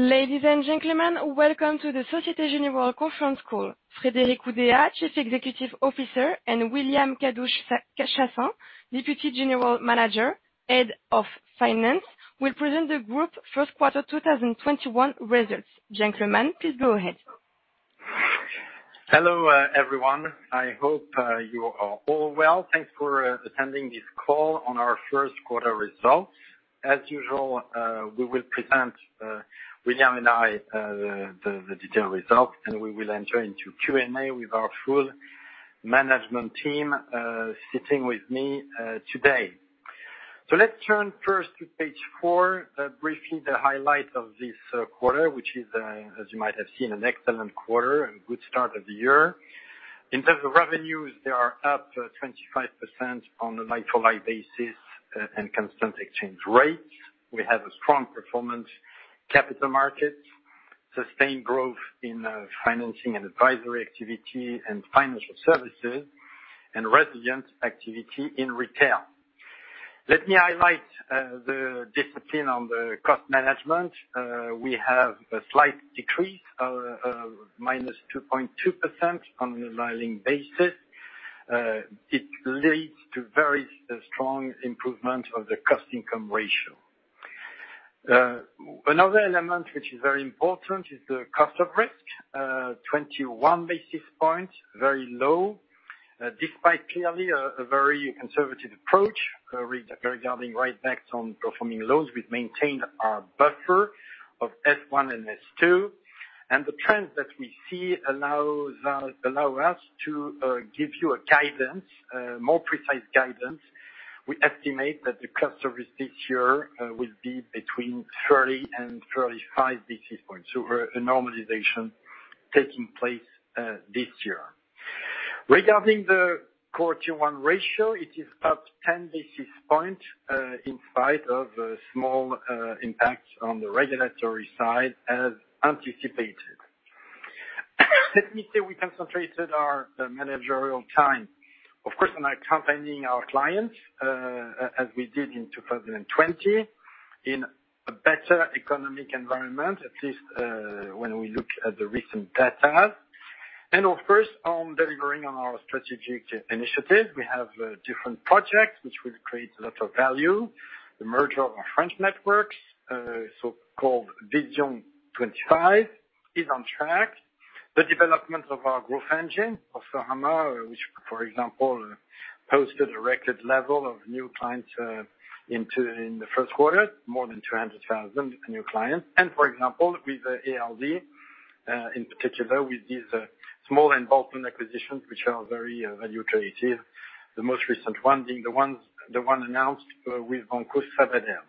Ladies and gentlemen, welcome to the Société Générale conference call. Frédéric Oudéa, Chief Executive Officer, and William Kadouch-Chassaing, Deputy General Manager, Head of Finance, will present the group's first quarter 2021 results. Gentlemen, please go ahead. Hello, everyone. I hope you are all well. Thanks for attending this call on our first quarter results. As usual, we will present, William and I, the detailed results, and we will enter into Q&A with our full management team sitting with me today. Let's turn first to page four, briefly the highlight of this quarter, which is, as you might have seen, an excellent quarter and good start of the year. In terms of revenues, they are up 25% on the like-to-like basis, and constant exchange rate. We have a strong performance, capital markets, sustained growth in financing and advisory activity and financial services, and resilient activity in retail. Let me highlight the discipline on the cost management. We have a slight decrease of -2.2% on the underlying basis. It leads to very strong improvement of the cost-income ratio. Another element which is very important is the cost of risk, 21 basis points, very low. Despite clearly a very conservative approach regarding write-backs on performing loans, we've maintained our buffer of S1 and S2, and the trends that we see allow us to give you a more precise guidance. We estimate that the cost of risk this year will be between 30 and 35 basis points. A normalization taking place this year. Regarding the Core Tier 1 ratio, it is up 10 basis points in spite of a small impact on the regulatory side as anticipated. Let me say we concentrated our managerial time, of course, on accompanying our clients, as we did in 2020, in a better economic environment, at least when we look at the recent data. Of course, on delivering on our strategic initiative. We have different projects, which will create a lot of value. The merger of our French networks, so-called Vision 2025, is on track. The development of our growth engine, with Boursorama, which for example, posted a record level of new clients in the first quarter, more than 200,000 new clients. For example, with ALD, in particular, with these small bolt-on acquisitions, which are very value creative, the most recent one being the one announced with Banco Sabadell.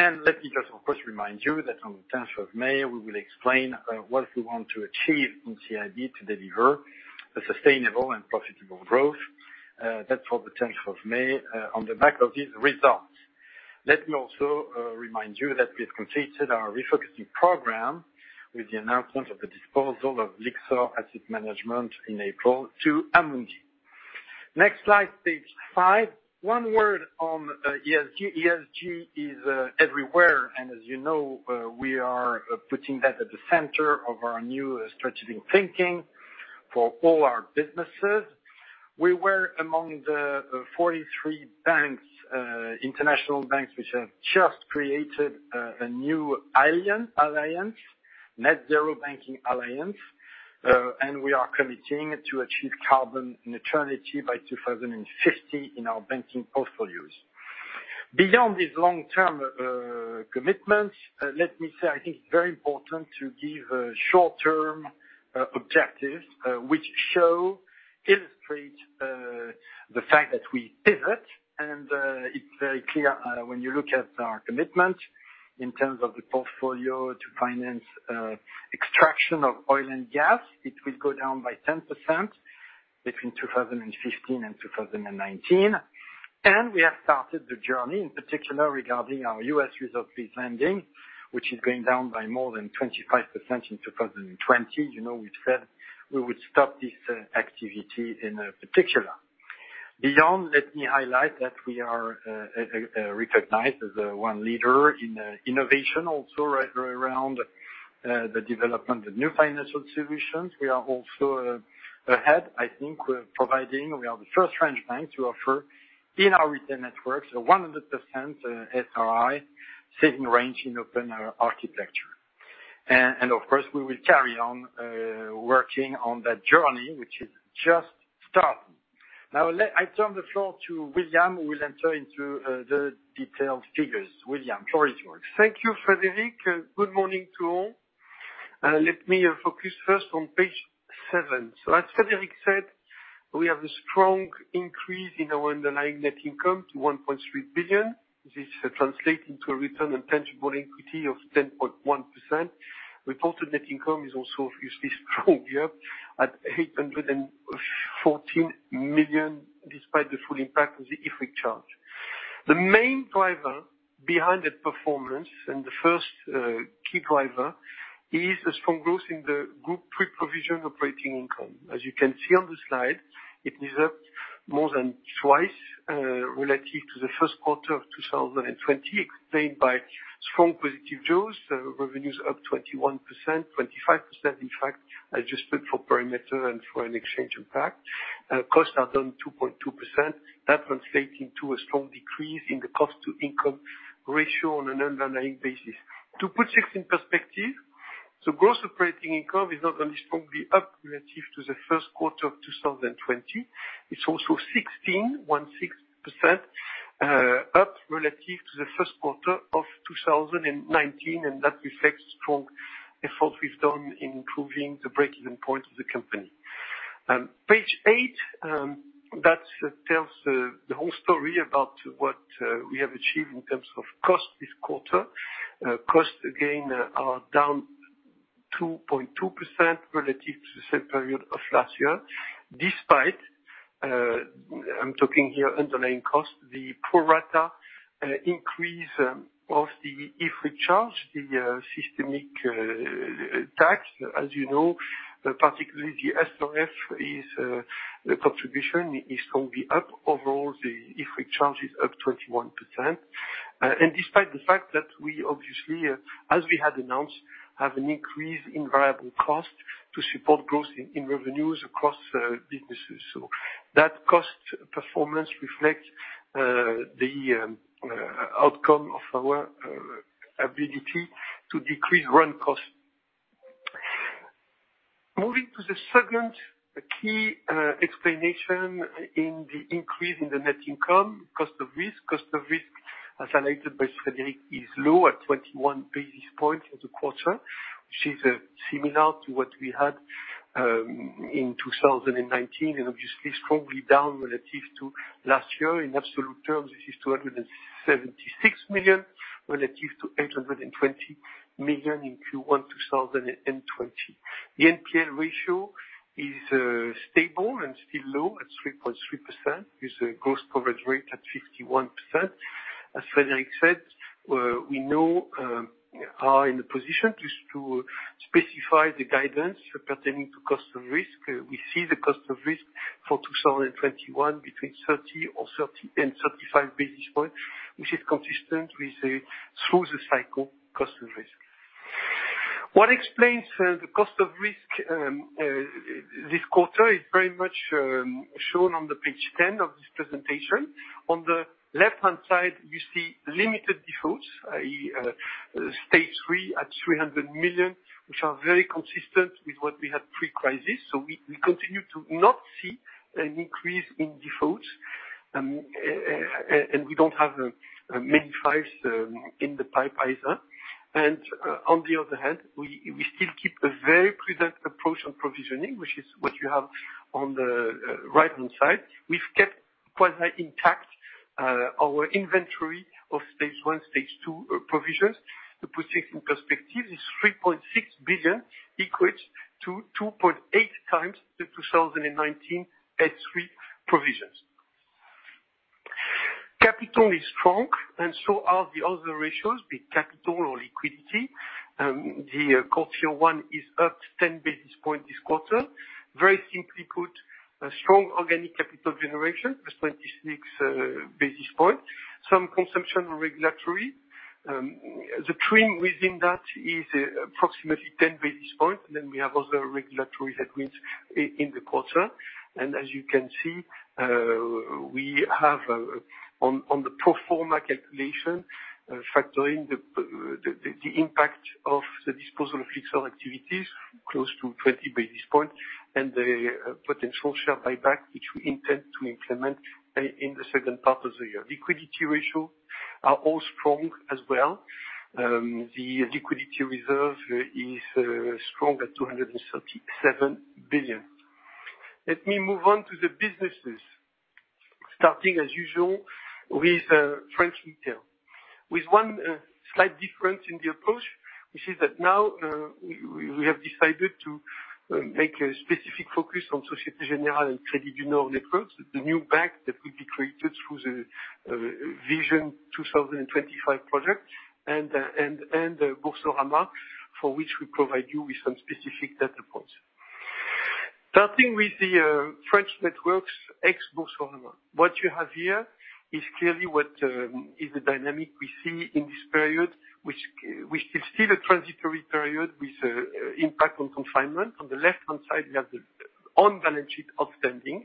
Let me just, of course, remind you that on the 10th of May, we will explain what we want to achieve from CIB to deliver a sustainable and profitable growth. That's for the 10th of May, on the back of these results. Let me also remind you that we have completed our refocusing program with the announcement of the disposal of Lyxor Asset Management in April to Amundi. Next slide, page five. One word on ESG. ESG is everywhere, and as you know, we are putting that at the center of our new strategic thinking for all our businesses. We were among the 43 international banks which have just created a new alliance, Net Zero Banking Alliance, and we are committing to achieve carbon neutrality by 2050 in our banking portfolios. Beyond these long-term commitments, let me say, I think it's very important to give short-term objectives, which illustrate the fact that we pivot, and it's very clear when you look at our commitment in terms of the portfolio to finance extraction of oil and gas. It will go down by 10% between 2015 and 2019. We have started the journey, in particular, regarding our U.S. Reserve-Based Lending, which is going down by more than 25% in 2020. You know we said we would stop this activity in particular. Beyond, let me highlight that we are recognized as one leader in innovation, also right around the development of new financial solutions. We are also ahead, I think, we are the first French bank to offer in our retail networks a 100% SRI saving range in open architecture. Of course, we will carry on working on that journey, which is just starting. Now, I turn the floor to William, who will enter into the detailed figures. William, floor is yours. Thank you, Frédéric. Good morning to all. Let me focus first on page seven. As Frédéric said, we have a strong increase in our underlying net income to 1.3 billion. This translates into a return on tangible equity of 10.1%. Reported net income is also obviously strong here at 814 million, despite the full impact of the IFRIC charge. The main driver behind that performance, the first key driver is the strong growth in the group pre-provision operating income. As you can see on the slide, it is up more than twice relative to the first quarter of 2020, explained by strong positive growth, revenues up 21%, 25%, in fact, adjusted for perimeter and for an exchange impact. Costs are down 2.2%. That translates into a strong decrease in the cost-to-income ratio on an underlying basis. To put this in perspective, gross operating income is not only strongly up relative to the first quarter of 2020, it's also 16% up relative to the first quarter of 2019, and that reflects strong effort we've done in improving the break-even point of the company. Page eight, that tells the whole story about what we have achieved in terms of cost this quarter. Costs, again, are down 2.2% relative to the same period of last year, despite, I'm talking here underlying cost, the pro rata increase of the IFRIC charge, the systemic tax. As you know, particularly the SRF contribution is strongly up. Overall, the IFRIC charge is up 21%. Despite the fact that we obviously, as we had announced, have an increase in variable cost to support growth in revenues across businesses. That cost performance reflects the outcome of our ability to decrease run cost. Moving to the second key explanation in the increase in the net income, cost of risk. Cost of risk, as highlighted by Frédéric, is low at 21 basis points for the quarter, which is similar to what we had in 2019, and obviously strongly down relative to last year. In absolute terms, this is 276 million relative to 820 million in Q1 2020. The NPL ratio is stable and still low at 3.3%, with a gross coverage rate at 51%. As Frédéric said, we now are in a position to specify the guidance pertaining to cost of risk. We see the cost of risk for 2021 between 30 and 35 basis points, which is consistent with the through the cycle cost of risk. What explains the cost of risk this quarter is very much shown on the page 10 of this presentation. On the left-hand side, you see limited defaults, i.e., Stage 3 at 300 million, which are very consistent with what we had pre-crisis. We continue to not see an increase in defaults, and we don't have many files in the pipe either. On the other hand, we still keep a very prudent approach on provisioning, which is what you have on the right-hand side. We've kept quasi-intact our inventory of Stage 1, Stage 2 provisions. To put this in perspective, it's 3.6 billion, equates to 2.8x the 2019 Stage 3 provisions. Capital is strong and so are the other ratios, be it capital or liquidity. The Core Tier 1 is up 10 basis points this quarter. Very simply put, a strong organic capital generation, plus 26 basis points, some consumption regulatory. The TRIM within that is approximately 10 basis points, then we have other regulatory headwinds in the quarter. As you can see, we have, on the pro forma calculation, factoring the impact of the disposal of retail activities, close to 20 basis points, and the potential share buyback, which we intend to implement in the second half of the year. Liquidity ratio are all strong as well. The liquidity reserve is strong at 237 billion. Let me move on to the businesses, starting as usual with French retail. With one slight difference in the approach, which is that now we have decided to make a specific focus on Société Générale and Crédit du Nord Networks, the new bank that will be created through the Vision 2025 project, and Boursorama, for which we provide you with some specific data points. Starting with the French networks ex Boursorama. What you have here is clearly what is the dynamic we see in this period, which is still a transitory period with impact on confinement. On the left-hand side, we have the on-balance sheet outstanding.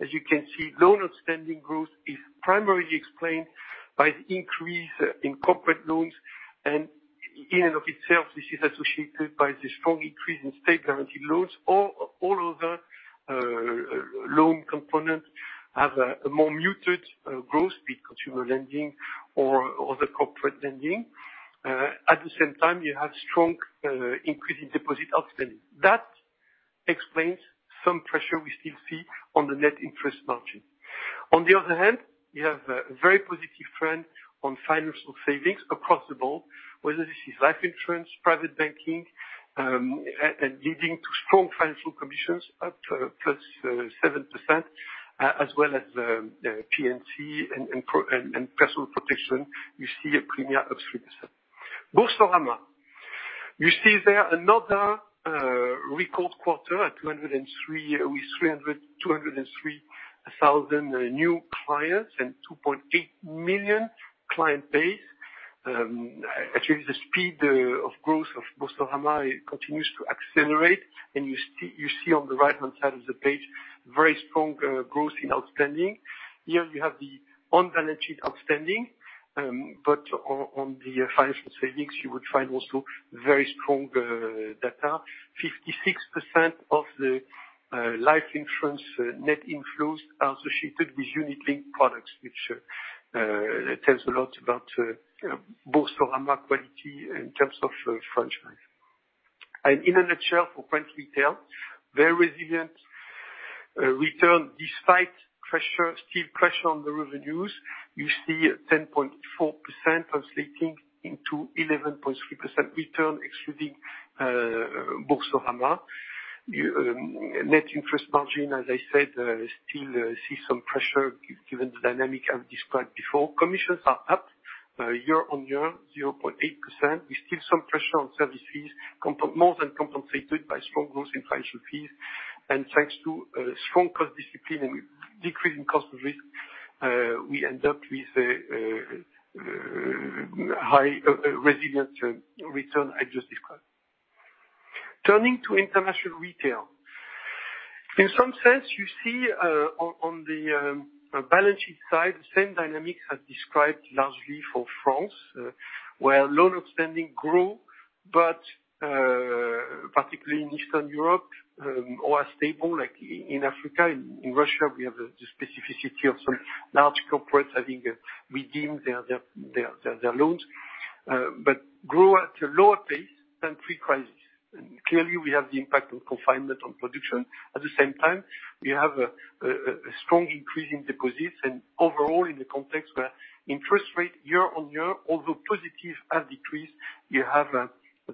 As you can see, loan outstanding growth is primarily explained by the increase in corporate loans, and in and of itself, this is associated by the strong increase in state-guaranteed loans. All other loan components have a more muted growth, be it consumer lending or other corporate lending. At the same time, you have strong increase in deposit outstanding. That explains some pressure we still see on the net interest margin. On the other hand, you have a very positive French financial savings across the board, whether this is life insurance, private banking, and leading to strong financial commissions up to +7%, as well as the P&C and personal protection, you see a premium of 3%. Boursorama. You see there another record quarter with 203,000 new clients and 2.8 million client base. Actually, the speed of growth of Boursorama continues to accelerate, and you see on the right-hand side of the page, very strong growth in outstanding. Here you have the on-balance sheet outstanding. On the financial savings, you would find also very strong data. 56% of the life insurance net inflows are associated with unit-linked products, which tells a lot about Boursorama quality in terms of franchise. In a nutshell, for French Retail, very resilient return despite still pressure on the revenues. You see a 10.4% translating into 11.3% return excluding Boursorama. Net interest margin, as I said, still see some pressure given the dynamic I've described before. Commissions are up year-over-year, 0.8%. We see some pressure on service fees, more than compensated by strong growth in financial fees. Thanks to strong cost discipline and decreasing cost of risk, we end up with a high resilient return I just described. Turning to International Retail. In some sense, you see on the balance sheet side, the same dynamic as described largely for France, where loan outstanding grew, but particularly in Eastern Europe, or are stable like in Africa. In Russia, we have the specificity of some large corporates, I think, redeemed their loans, but grew at a lower pace than pre-crisis. We have the impact of confinement on production. At the same time, we have a strong increase in deposits and overall in the context where interest rate year-over-year, although positive, have decreased, you have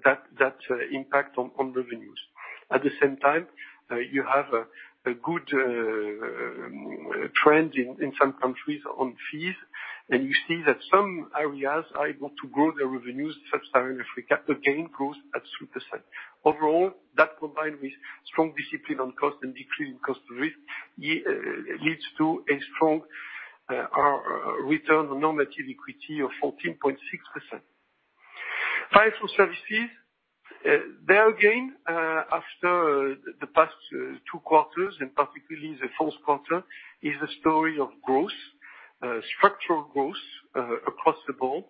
that impact on revenues. At the same time, you have a good trend in some countries on fees, you see that some areas are able to grow their revenues, Sub-Saharan Africa, again, grows at 3%. That combined with strong discipline on cost and decrease in cost of risk, leads to a strong return on normative equity of 14.6%. Financial Services. There again, after the past two quarters, particularly the fourth quarter, is a story of growth, structural growth across the board.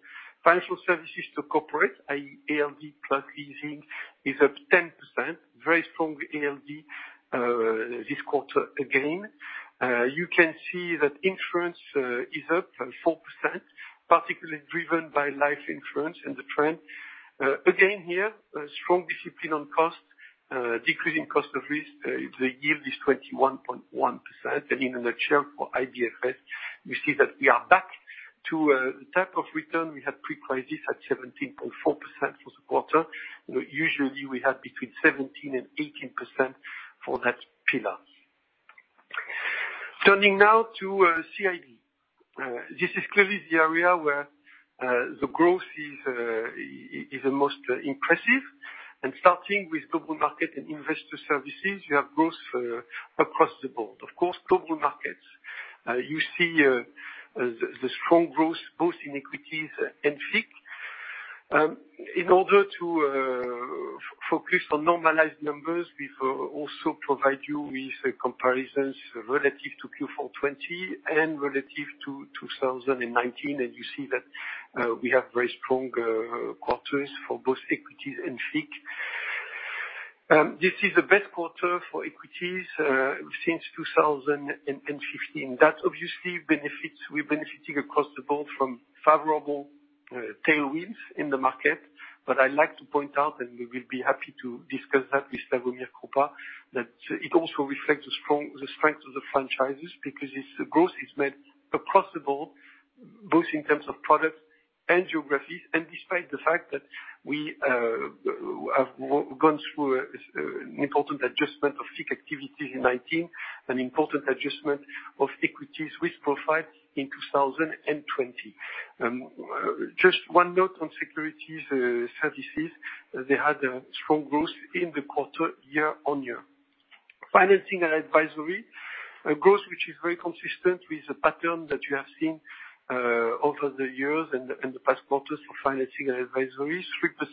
Financial services to corporate, i.e., ALD truck leasing is up 10%, very strong ALD this quarter again. You can see that insurance is up 4%, particularly driven by life insurance and the trend. Again here, strong discipline on cost, decreasing cost of risk. The yield is 21.1%. In a nutshell, for IDFS, you see that we are back to the type of return we had pre-crisis at 17.4% for the quarter. Usually, we have between 17% and 18% for that pillar. Turning now to CIB. This is clearly the area where the growth is the most impressive. Starting with global market and investor services, you have growth across the board. Of course, global markets you see the strong growth both in equities and FIC. In order to focus on normalized numbers, we will also provide you with comparisons relative to Q4 2020 and relative to 2019. You see that we have very strong quarters for both equities and FIC. This is the best quarter for equities since 2015. Obviously, we're benefiting across the board from favorable tailwinds in the market. I like to point out, and we will be happy to discuss that with Slawomir Krupa, that it also reflects the strength of the franchises, because its growth is made across the board, both in terms of products and geographies, and despite the fact that we have gone through an important adjustment of FIC activities in 2019, an important adjustment of equities risk profile in 2020. Just one note on securities services, they had a strong growth in the quarter year-over-year. Financing and advisory, a growth which is very consistent with the pattern that you have seen over the years and the past quarters for financing and advisory,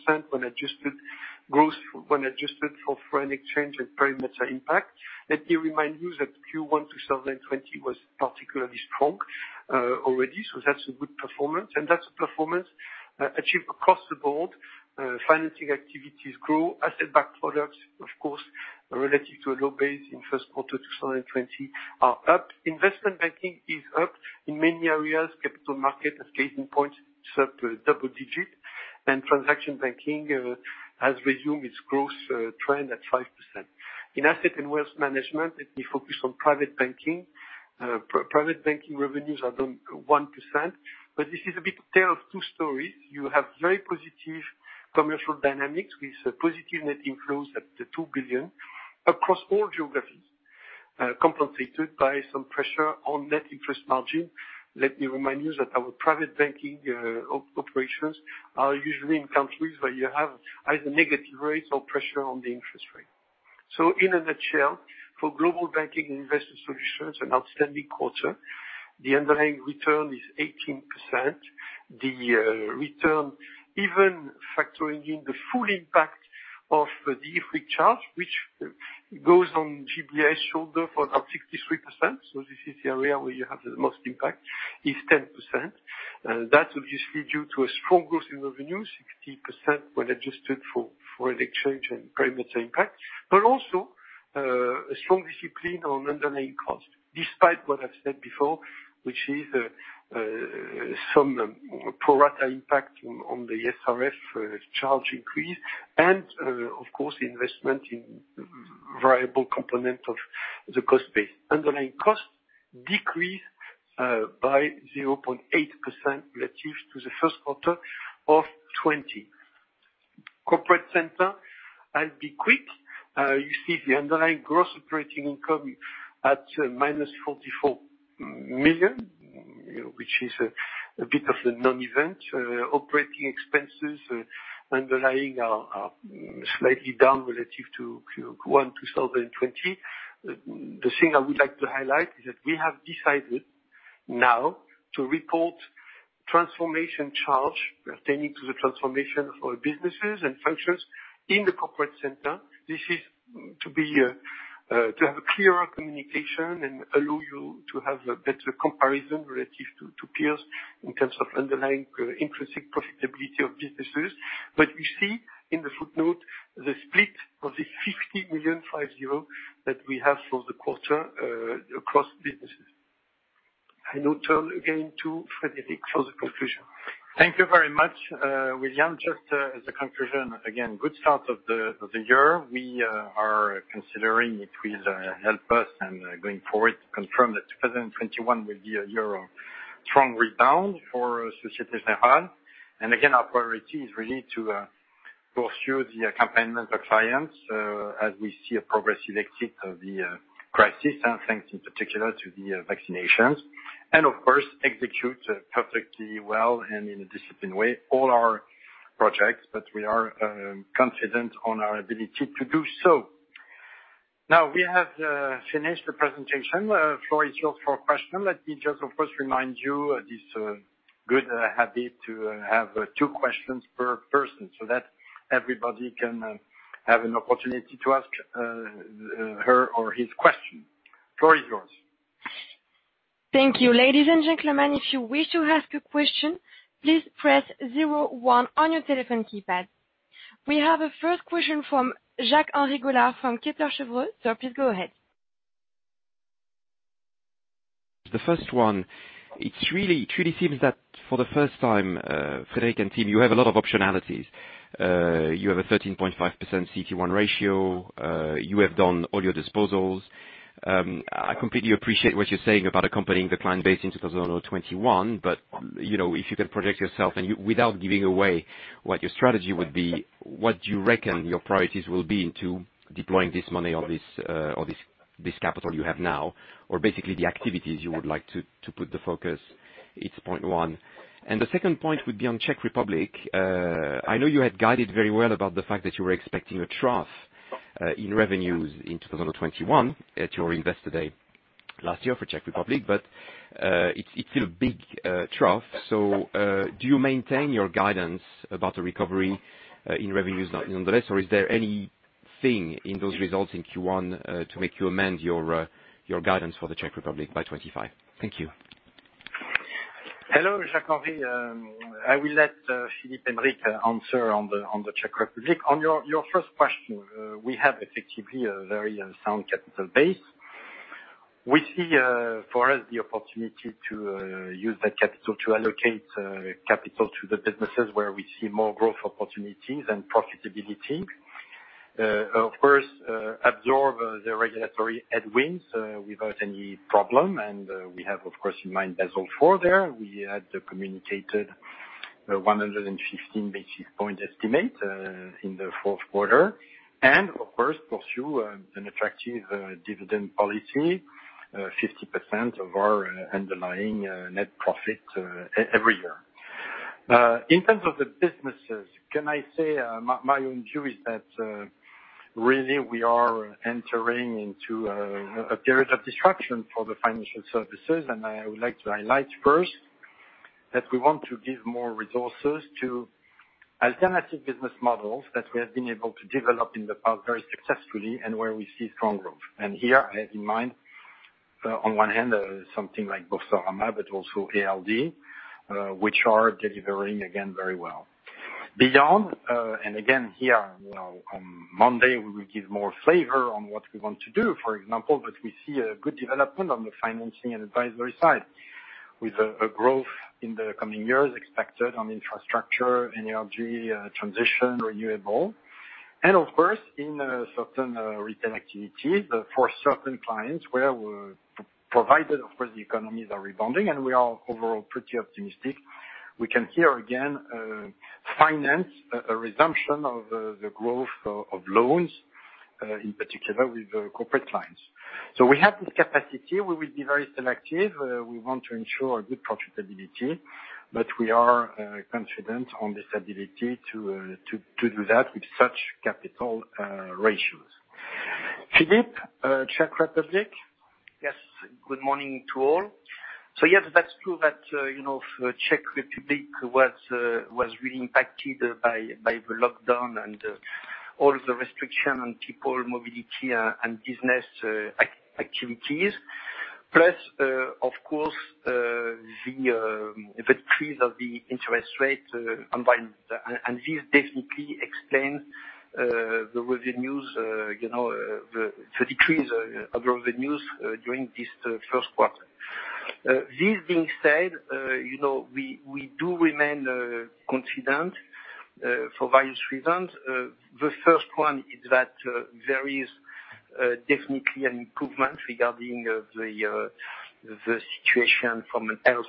3% when adjusted growth, when adjusted for foreign exchange and perimeter impact. Let me remind you that Q1 2020 was particularly strong already. That's a good performance. That's a performance achieved across the board. Financing activities grow. Asset-backed products, of course, relative to a low base in first quarter 2020, are up. Investment banking is up in many areas. Capital market and acquisition financing is up double-digit. Transaction banking has resumed its growth trend at 5%. In asset and wealth management, let me focus on private banking. Private banking revenues are down 1%. This is a bit a tale of two stories. You have very positive commercial dynamics with positive net inflows at 2 billion across all geographies, compensated by some pressure on net interest margin. Let me remind you that our private banking operations are usually in countries where you have either negative rates or pressure on the interest rate. In a nutshell, for Global Banking and Investor Solutions, an outstanding quarter. The underlying return is 18%. The return, even factoring in the full impact of the IFRIC charge, which goes on GBIS shoulder for about 63%, this is the area where you have the most impact, is 10%. That obviously due to a strong growth in revenue, 60% when adjusted for foreign exchange and perimeter impact, but also, a strong discipline on underlying costs, despite what I've said before, which is some pro rata impact on the SRF charge increase and, of course, investment in variable component of the cost base. Underlying costs decreased by 0.8% relative to the first quarter of 2020. Corporate center, I'll be quick. You see the underlying gross operating income at -44 million, which is a bit of a non-event. Operating expenses underlying are slightly down relative to Q1 2020. The thing I would like to highlight is that we have decided now to report transformation charge pertaining to the transformation of our businesses and functions in the corporate center. This is to have a clearer communication and allow you to have a better comparison relative to peers in terms of underlying intrinsic profitability of businesses. We see in the footnote the split of the 50 million that we have for the quarter across businesses. I now turn again to Frédéric for the conclusion. Thank you very much, William. Just as a conclusion, again, good start of the year. We are considering it will help us, and going forward, confirm that 2021 will be a year of strong rebound for Société Générale. Again, our priority is really to pursue the accompaniment of clients, as we see a progressive exit of the crisis, and thanks in particular to the vaccinations. Of course, execute perfectly well and in a disciplined way all our projects, but we are confident on our ability to do so. We have finished the presentation. Floor is yours for question. Let me just, of course, remind you this good habit to have two questions per person so that everybody can have an opportunity to ask her or his question. Floor is yours. Thank you. Ladies and gentlemen, if you wish to ask a question, please press zero one on your telephone keypad. We have a first question from Jacques-Henri Gaulard from Kepler Cheuvreux, so please go ahead. The first one, it really seems that for the first time, Frederic and team, you have a lot of optionalities. You have a 13.5% CT1 ratio. You have done all your disposals. I completely appreciate what you're saying about accompanying the client base in 2021, but if you can project yourself, and without giving away what your strategy would be, what do you reckon your priorities will be into deploying this money or this capital you have now, or basically the activities you would like to put the focus? It's point one. The second point would be on Czech Republic. I know you had guided very well about the fact that you were expecting a trough in revenues in 2021 at your Investor Day last year for Czech Republic. It's still a big trough. Do you maintain your guidance about the recovery in revenues nonetheless, or is there anything in those results in Q1 to make you amend your guidance for the Czech Republic by 2025? Thank you. Hello, Jacques-Henri. I will let Philippe Aymerich answer on the Czech Republic. On your first question, we have effectively a very sound capital base. We see, for us, the opportunity to use that capital to allocate capital to the businesses where we see more growth opportunities and profitability. Absorb the regulatory headwinds without any problem. We have, of course, in mind Basel IV there. We had communicated 115 basis points estimate in the fourth quarter. Of course, pursue an attractive dividend policy, 50% of our underlying net profit every year. In terms of the businesses, can I say, my own view is that really we are entering into a period of disruption for the financial services, and I would like to highlight first that we want to give more resources to alternative business models that we have been able to develop in the past very successfully and where we see strong growth. Here, I have in mind, on one hand, something like Boursorama, but also ALD, which are delivering again very well. Beyond, and again, here, on Monday, we will give more flavor on what we want to do, for example, but we see a good development on the financing and advisory side, with a growth in the coming years expected on infrastructure, energy, transition, renewable. Of course, in certain retail activities for certain clients where we're provided, of course, the economies are rebounding, and we are overall pretty optimistic. We can here again, finance a resumption of the growth of loans, in particular with corporate clients. We have this capacity, we will be very selective. We want to ensure a good profitability, but we are confident on this ability to do that with such capital ratios. Philippe, Czech Republic? Yes, good morning to all. That's true that Czech Republic was really impacted by the lockdown and all the restriction on people, mobility, and business activities. Of course, the stress of the interest rate environment, and this definitely explains the decrease of revenues during this first quarter. This being said, we do remain confident for various reasons. The first one is that there is definitely an improvement regarding the situation from a health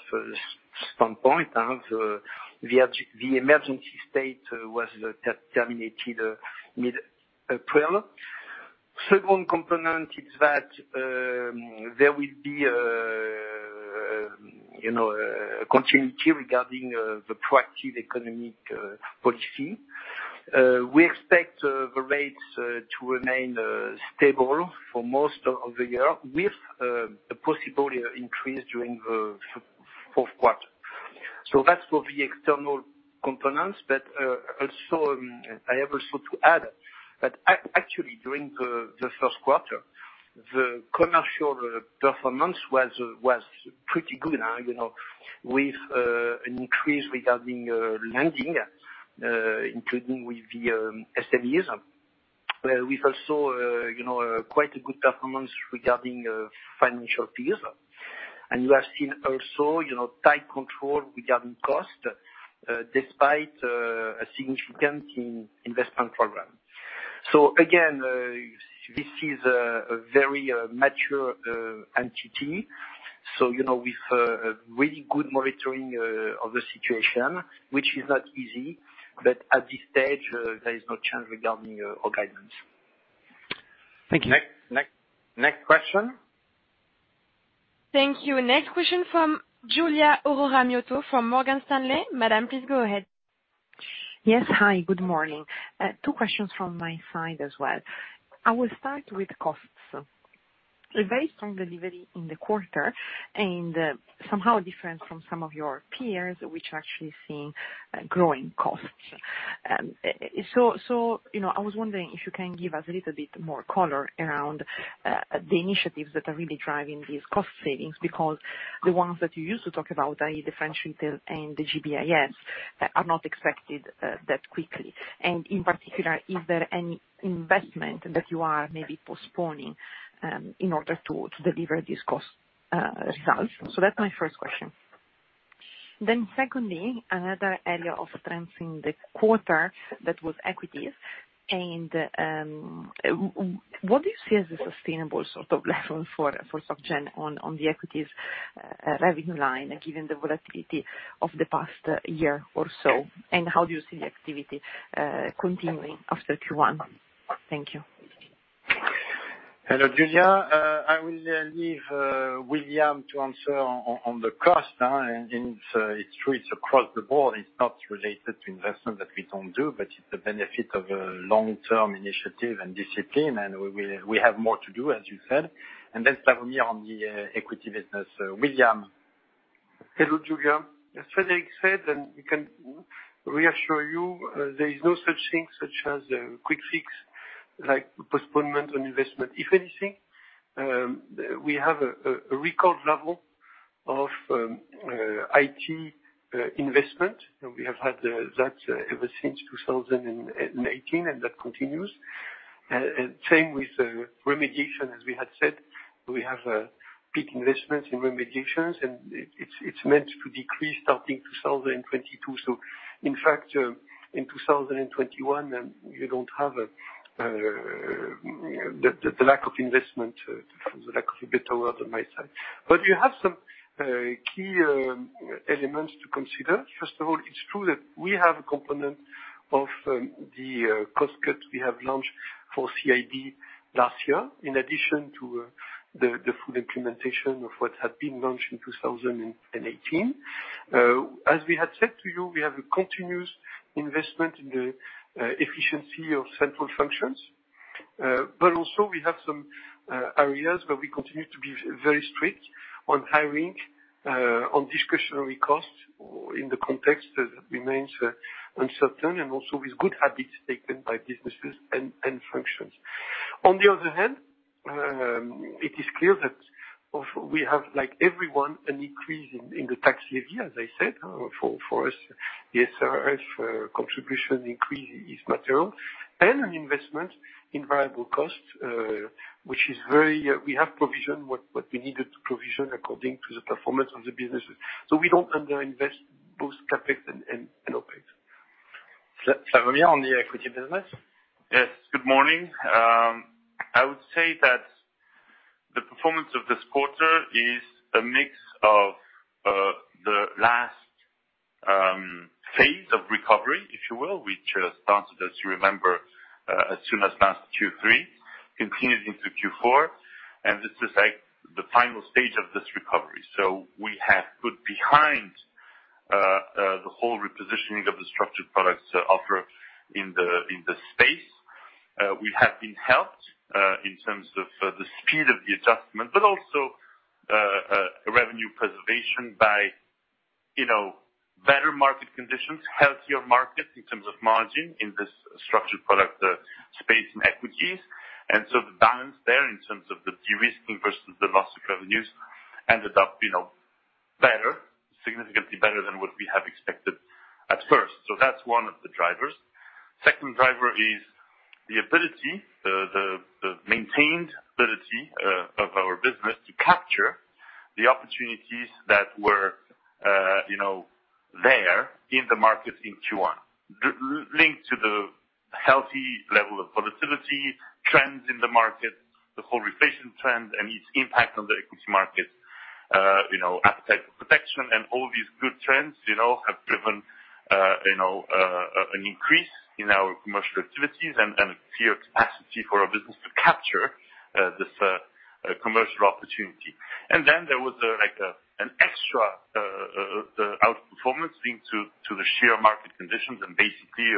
standpoint. The emergency state was terminated mid-April. Second component is that there will be a continuity regarding the proactive economic policy. We expect the rates to remain stable for most of the year, with a possible increase during the fourth quarter. That's for the external components. I have also to add that actually, during the first quarter, the commercial performance was pretty good with an increase regarding lending including with the SMEs. We've also quite a good performance regarding financial fees. You have seen also tight control regarding cost despite a significant investment program. Again, this is a very mature entity. With really good monitoring of the situation, which is not easy, but at this stage, there is no change regarding our guidance. Thank you. Next question. Thank you. Next question from Giulia Aurora Miotto from Morgan Stanley. Madam, please go ahead. Yes. Hi, good morning. Two questions from my side as well. I will start with costs. A very strong delivery in the quarter, and somehow different from some of your peers, which are actually seeing growing costs. I was wondering if you can give us a little bit more color around the initiatives that are really driving these cost savings, because the ones that you used to talk about, i.e., the French retail and the GBIS, are not expected that quickly. In particular, is there any investment that you are maybe postponing in order to deliver these cost results? That's my first question. Secondly, another area of strength in the quarter, that was equities, and what do you see as a sustainable sort of level for SocGen on the equities revenue line, given the volatility of the past year or so? How do you see the activity continuing after Q1? Thank you. Hello, Giulia. I will leave William to answer on the cost. It's true, it's across the board. It's not related to investment that we don't do, but it's the benefit of a long-term initiative and discipline, and we have more to do, as you said. It's up to me on the equity business. William? Hello, Giulia. As Frédéric said, we can reassure you, there is no such thing such as a quick fix like postponement on investment. If anything, we have a record level of IT investment, we have had that ever since 2018, that continues. Same with remediation, as we had said. We have big investments in remediations, it's meant to decrease starting 2022. In fact, in 2021, you don't have the lack of investment, the lack of a better word on my side. You have some key elements to consider. First of all, it's true that we have a component of the cost cut we have launched for CIB last year, in addition to the full implementation of what had been launched in 2018. As we had said to you, we have a continuous investment in the efficiency of central functions. Also we have some areas where we continue to be very strict on hiring, on discretionary costs in the context that remains uncertain, and also with good habits taken by businesses and functions. On the other hand, it is clear that we have, like everyone, an increase in the tax levy, as I said. For us, the SRF contribution increase is material, and an investment in variable costs. We have provisioned what we needed to provision according to the performance of the businesses. We don't under-invest both CapEx and OpEx. Sławomir on the equity business. Yes, good morning. I would say that the performance of this quarter is a mix of the last phase of recovery, if you will, which started, as you remember, as soon as last Q3, continued into Q4, and this is the final stage of this recovery. We have put behind the whole repositioning of the structured products offer in the space. We have been helped, in terms of the speed of the adjustment, but also revenue preservation by better market conditions, healthier markets in terms of margin in this structured product space in equities. The balance there in terms of the de-risking versus the loss of revenues ended up better, significantly better than what we have expected at first. That's one of the drivers. Second driver is the ability, the maintained ability of our business to capture the opportunities that were there in the market in Q1, linked to the healthy level of volatility, trends in the market, the whole reflation trend, and its impact on the equity market, appetite for protection and all these good trends have driven an increase in our commercial activities and a clear capacity for our business to capture this commercial opportunity. There was an extra outperformance linked to the sheer market conditions and basically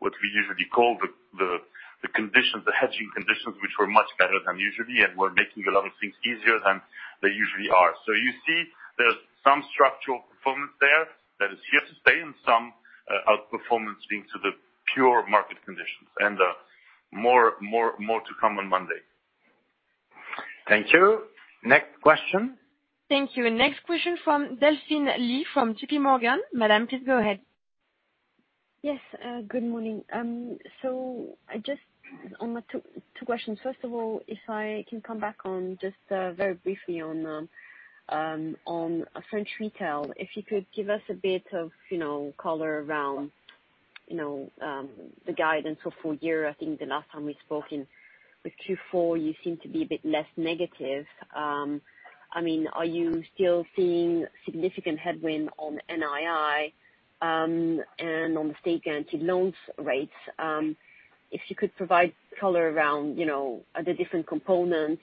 what we usually call the hedging conditions, which were much better than usually and were making a lot of things easier than they usually are. You see there's some structural performance there that is here to stay and some outperformance linked to the pure market conditions and more to come on Monday. Thank you. Next question. Thank you. Next question from Delphine Lee, from JPMorgan. Madam, please go ahead. Yes, good morning. Just two questions. First of all, if I can come back just very briefly on French retail. If you could give us a bit of color around the guidance for full year. I think the last time we spoke with Q4, you seemed to be a bit less negative. Are you still seeing significant headwind on NII, and on the state guarantee loans rates? If you could provide color around the different components,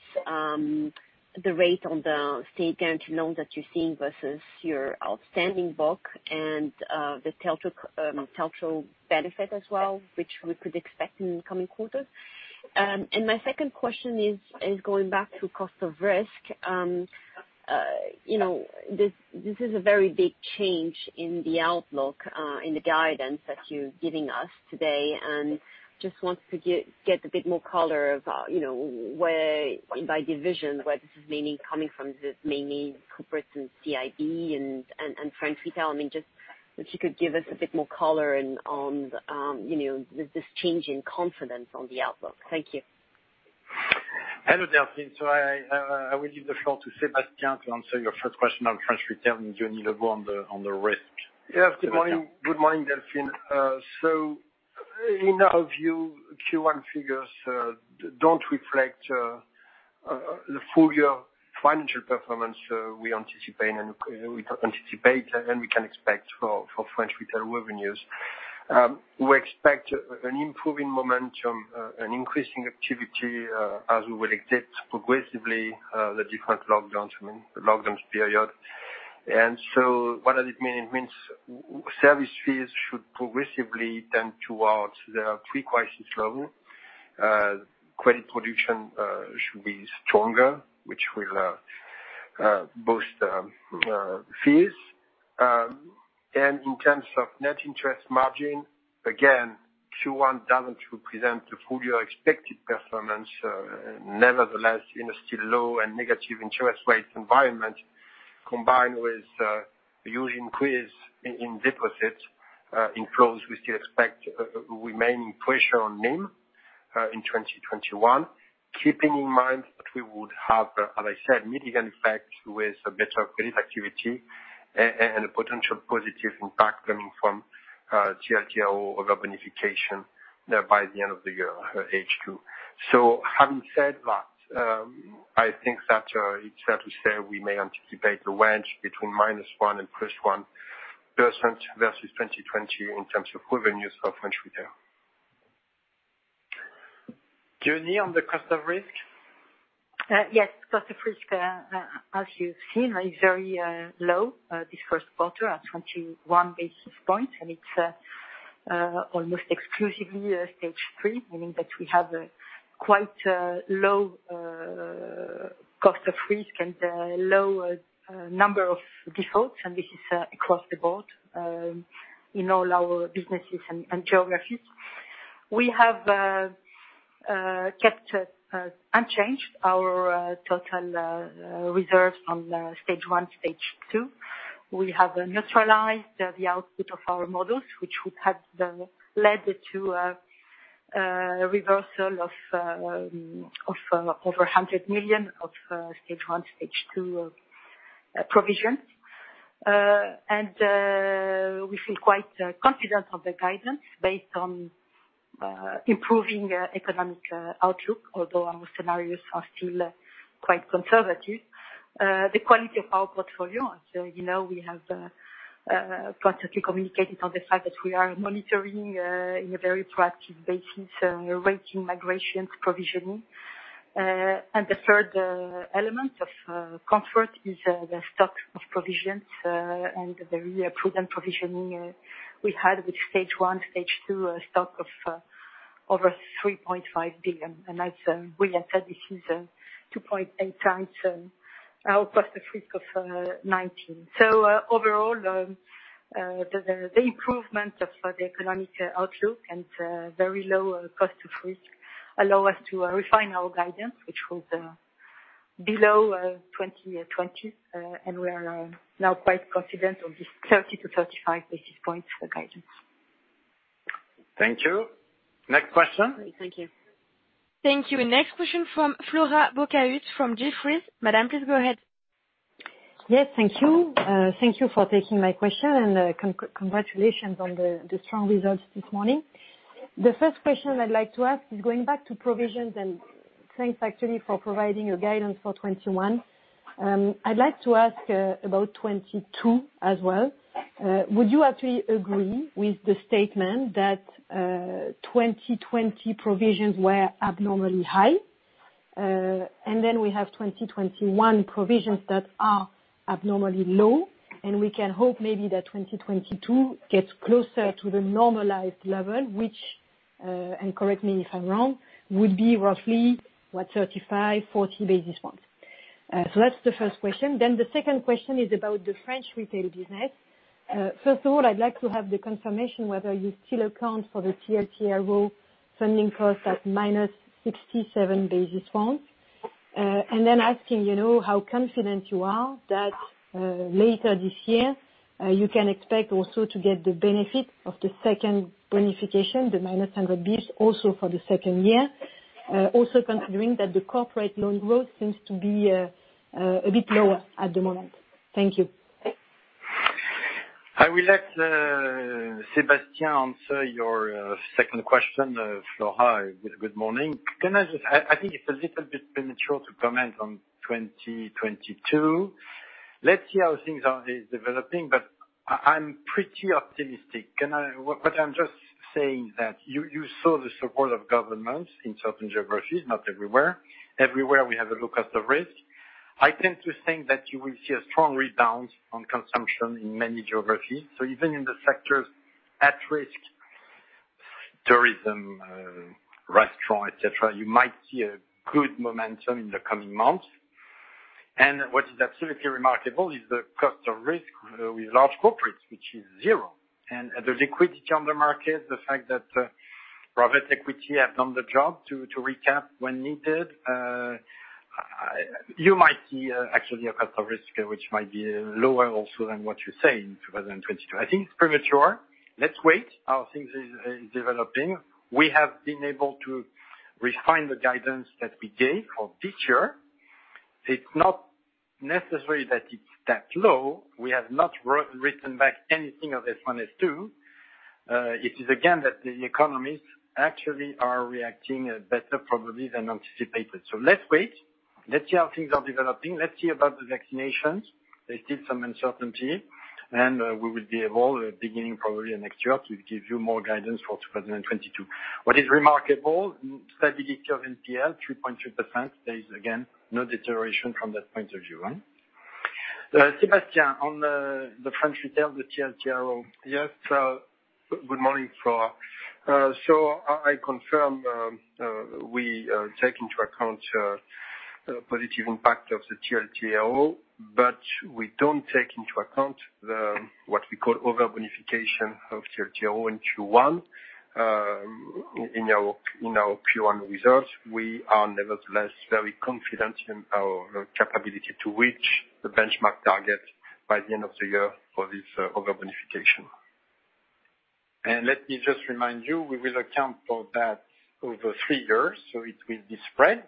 the rate on the state guarantee loans that you are seeing versus your outstanding book and the telco benefit as well, which we could expect in coming quarters. My second question is going back to cost of risk. This is a very big change in the outlook, in the guidance that you are giving us today. Just want to get a bit more color of by division, where this is mainly coming from, this mainly corporates and CIB and French retail. If you could give us a bit more color on this change in confidence on the outlook. Thank you. Hello, Delphine. I will give the floor to Sébastien to answer your first question on French retail, and Diony Lebot on the risk. Yes. Good morning, Delphine. In our view, Q1 figures don't reflect the full-year financial performance we anticipate and we can expect for French retail revenues. We expect an improving momentum, an increasing activity, as we will exit progressively, the different lockdowns period. What does it mean? It means service fees should progressively tend towards their pre-crisis level. Credit production should be stronger, which will boost fees. In terms of net interest margin, again, Q1 doesn't represent the full-year expected performance. Nevertheless, in a still low and negative interest rate environment, combined with a usual increase in deposits inflows, we still expect remaining pressure on NIM in 2021, keeping in mind that we would have, as I said, mitigating effect with a better credit activity and a potential positive impact coming from TLTRO of overbonification by the end of the year, H2. Having said that, I think that it's fair to say we may anticipate a range between ±1% versus 2020 in terms of revenues for French retail. Diony on the cost of risk. Yes. Cost of risk, as you've seen, is very low this first quarter at 21 basis points. It's almost exclusively Stage 3, meaning that we have a quite low cost of risk and low number of defaults. This is across the board, in all our businesses and geographies. We have kept unchanged our total reserves on Stage 1, Stage 2. We have neutralized the output of our models, which would have led to a reversal of over 100 million of Stage 1, Stage 2 provisions. We feel quite confident of the guidance based on improving economic outlook, although our scenarios are still quite conservative. The quality of our portfolio, as you know, we have practically communicated on the fact that we are monitoring in a very proactive basis, linking migration to provisioning. The third element of comfort is the stock of provisions, the very prudent provisioning we had with Stage 1, Stage 2, a stock of over 3.5 billion. As William said, this is 2.8x our cost of risk of 2019. Overall, the improvement of the economic outlook and very low cost of risk allow us to refine our guidance, which was below 2020, and we are now quite confident of this 30 to 35 basis points for guidance. Thank you. Next question. Thank you. Next question from Flora Bocahut from Jefferies. Madam, please go ahead. Yes, thank you. Thank you for taking my question, congratulations on the strong results this morning. The first question I'd like to ask is going back to provisions, thanks actually for providing your guidance for 2021. I'd like to ask about 2022 as well. Would you actually agree with the statement that 2020 provisions were abnormally high? We have 2021 provisions that are abnormally low, we can hope maybe that 2022 gets closer to the normalized level, which, and correct me if I'm wrong, would be roughly what, 35, 40 basis points? That's the first question. The second question is about the French retail business. First of all, I'd like to have the confirmation whether you still account for the TLTRO funding cost at -67 basis points. Asking, how confident you are that later this year, you can expect also to get the benefit of the second over-bonification, the -100 basis points also for the second year. Considering that the corporate loan growth seems to be a bit lower at the moment. Thank you. I will let Sébastien answer your second question, Flora. Good morning. I think it's a little bit premature to comment on 2022. Let's see how things are developing. I'm pretty optimistic. What I'm just saying that you saw the support of governments in certain geographies, not everywhere. Everywhere, we have a look at the risk. I tend to think that you will see a strong rebound on consumption in many geographies. Even in the sectors at risk, tourism, restaurant, et cetera, you might see a good momentum in the coming months. What is absolutely remarkable is the cost of risk with large corporates, which is zero. The liquidity on the market, the fact that private equity has done the job to recap when needed, you might see actually a cost of risk, which might be lower also than what you say in 2022. I think it's premature. Let's wait how things are developing. We have been able to refine the guidance that we gave for this year. It's not necessary that it's that low. We have not written back anything of S1, S2. It is again, that the economies actually are reacting better probably than anticipated. Let's wait, let's see how things are developing. Let's see about the vaccinations. There's still some uncertainty, and we will be able, beginning probably next year, to give you more guidance for 2022. What is remarkable, stability of NPL, 3.3%. There is, again, no deterioration from that point of view. Sébastien, on the French retail, the TLTRO. Yes. Good morning, Flora. I confirm, we take into account positive impact of the TLTRO, but we don't take into account the, what we call over-bonification of TLTRO in Q1. In our Q1 results, we are nevertheless very confident in our capability to reach the benchmark target by the end of the year for this over-bonification. Let me just remind you, we will account for that over three years, so it will be spread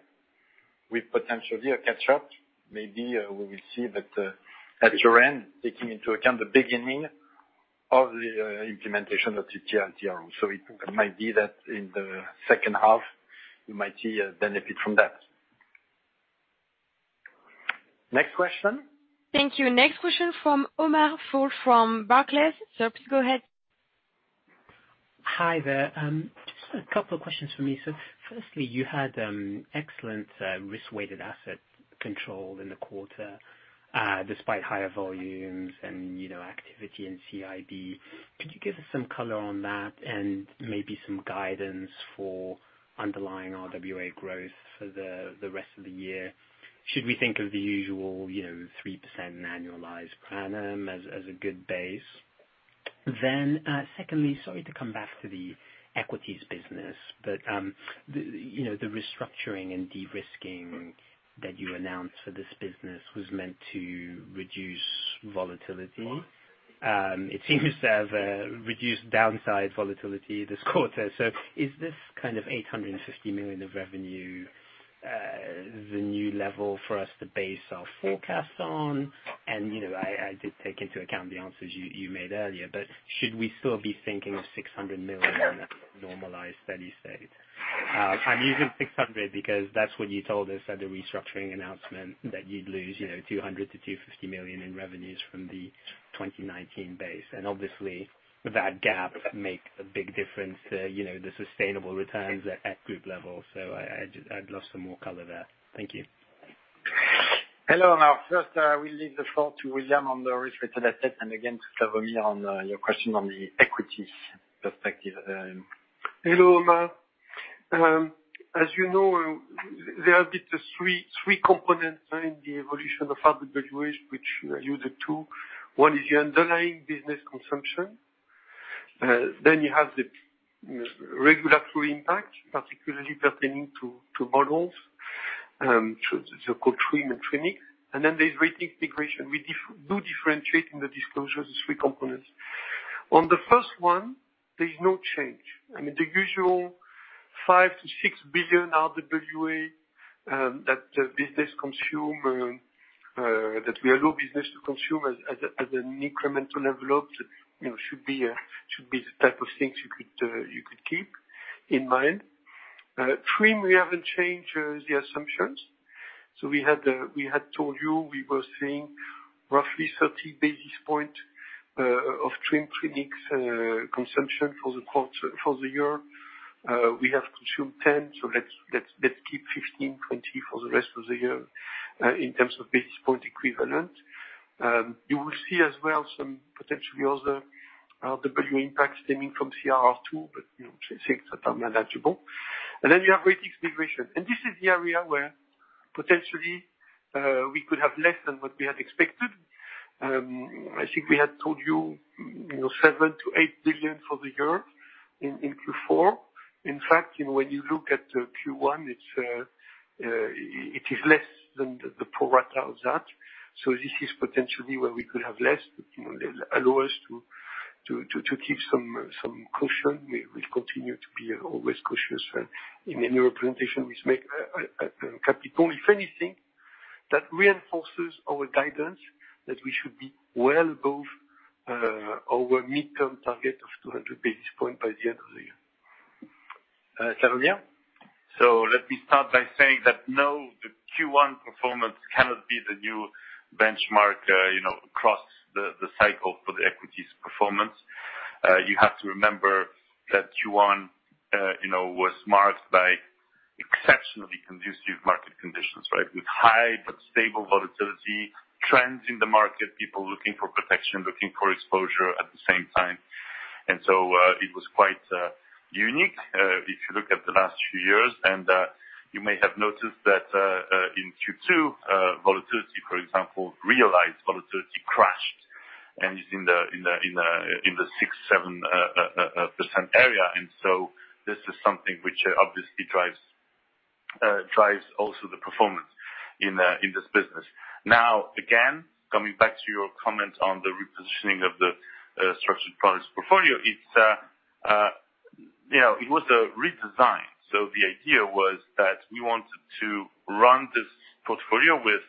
with potentially a catch-up. Maybe we will see that at year-end, taking into account the beginning of the implementation of the TLTRO. It might be that in the second half, you might see a benefit from that. Next question. Thank you. Next question from Omar Fall from Barclays. Sir, please go ahead. Hi there. Just a couple of questions from me, sir. Firstly, you had excellent risk-weighted asset control in the quarter, despite higher volumes and activity in CIB. Could you give us some color on that and maybe some guidance for underlying RWA growth for the rest of the year? Should we think of the usual 3% annualized plan as a good base? Secondly, sorry to come back to the equities business, but the restructuring and de-risking that you announced for this business was meant to reduce volatility. It seems to have reduced downside volatility this quarter. Is this kind of 850 million of revenue the new level for us to base our forecasts on? I did take into account the answers you made earlier, but should we still be thinking of 600 million normalized, steady state? I'm using 600 because that's when you told us at the restructuring announcement that you'd lose 200 million to 250 million in revenues from the 2019 base. Obviously, that gap makes a big difference to the sustainable returns at group level. I'd love some more color there. Thank you. Hello, Omar. First, I will leave the floor to William on the risk-weighted asset, and again, to Slawomir on your question on the equities perspective. Hello, Omar. As you know, there are three components in the evolution of RWA, which you used two. One is your underlying business consumption. You have the regulatory impact, particularly pertaining to models, so-called TRIM and TRIN. There is ratings migration. We do differentiate in the disclosure, the three components. On the first one, there is no change. I mean, the usual 5 billion-6 billion RWA that we allow business to consume as an incremental envelope should be the type of things you could keep in mind. TRIM, we haven't changed the assumptions. We had told you we were seeing roughly 30 basis points of TRIM, TRIN consumption for the year. We have consumed 10, so let's keep 15, 20 for the rest of the year, in terms of basis points equivalent. You will see as well some potentially other RWA impact stemming from CRR 2, but things that are manageable. You have ratings migration, and this is the area where potentially, we could have less than what we had expected. I think we had told you, 7 billion-8 billion for the year in Q4. In fact, when you look at Q1, it is less than the pro rata of that. This is potentially where we could have less. Allow us to keep some caution. We'll continue to be always cautious in any representation we make at capital. If anything, that reinforces our guidance that we should be well above our midterm target of 200 basis points by the end of the year. Slawomir? Let me start by saying that, no, the Q1 performance cannot be the new benchmark across the cycle for the equities performance. You have to remember that Q1 was marked by exceptionally conducive market conditions, with high but stable volatility, trends in the market, people looking for protection, looking for exposure at the same time. It was quite unique, if you look at the last few years. You may have noticed that in Q2, volatility, for example, realized volatility crashed, and is in the 6%, 7% area. This is something which obviously drives also the performance in this business. Again, coming back to your comment on the repositioning of the structured products portfolio, it was a redesign. The idea was that we wanted to run this portfolio with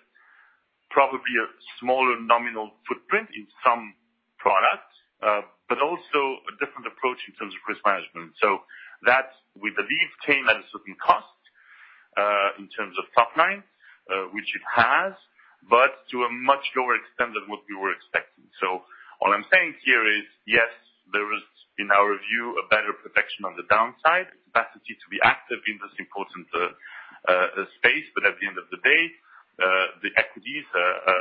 probably a smaller nominal footprint in some products, but also a different approach in terms of risk management. That, we believe, came at a certain cost in terms of top line, which it has, but to a much lower extent than what we were expecting. All I'm saying here is, yes, there is, in our view, a better protection on the downside, capacity to be active in this important space. At the end of the day, the equities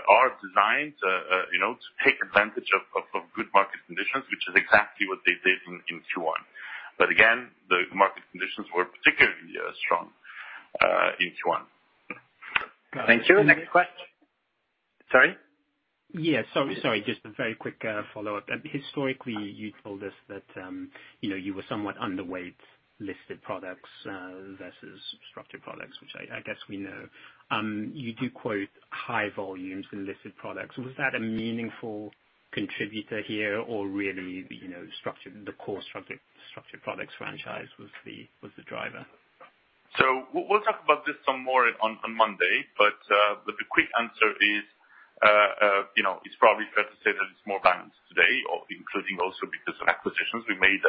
are designed to take advantage of good market conditions, which is exactly what they did in Q1. Again, the market conditions were particularly strong in Q1. Thank you. Next question. Sorry? Yeah. Sorry, just a very quick follow-up. Historically, you told us that you were somewhat underweight listed products versus structured products, which I guess we know. You do quote high volumes in listed products. Was that a meaningful contributor here or really, the core structured products franchise was the driver? We'll talk about this some more on Monday, but the quick answer is, it's probably fair to say that it's more balanced today, including also because of acquisitions we made,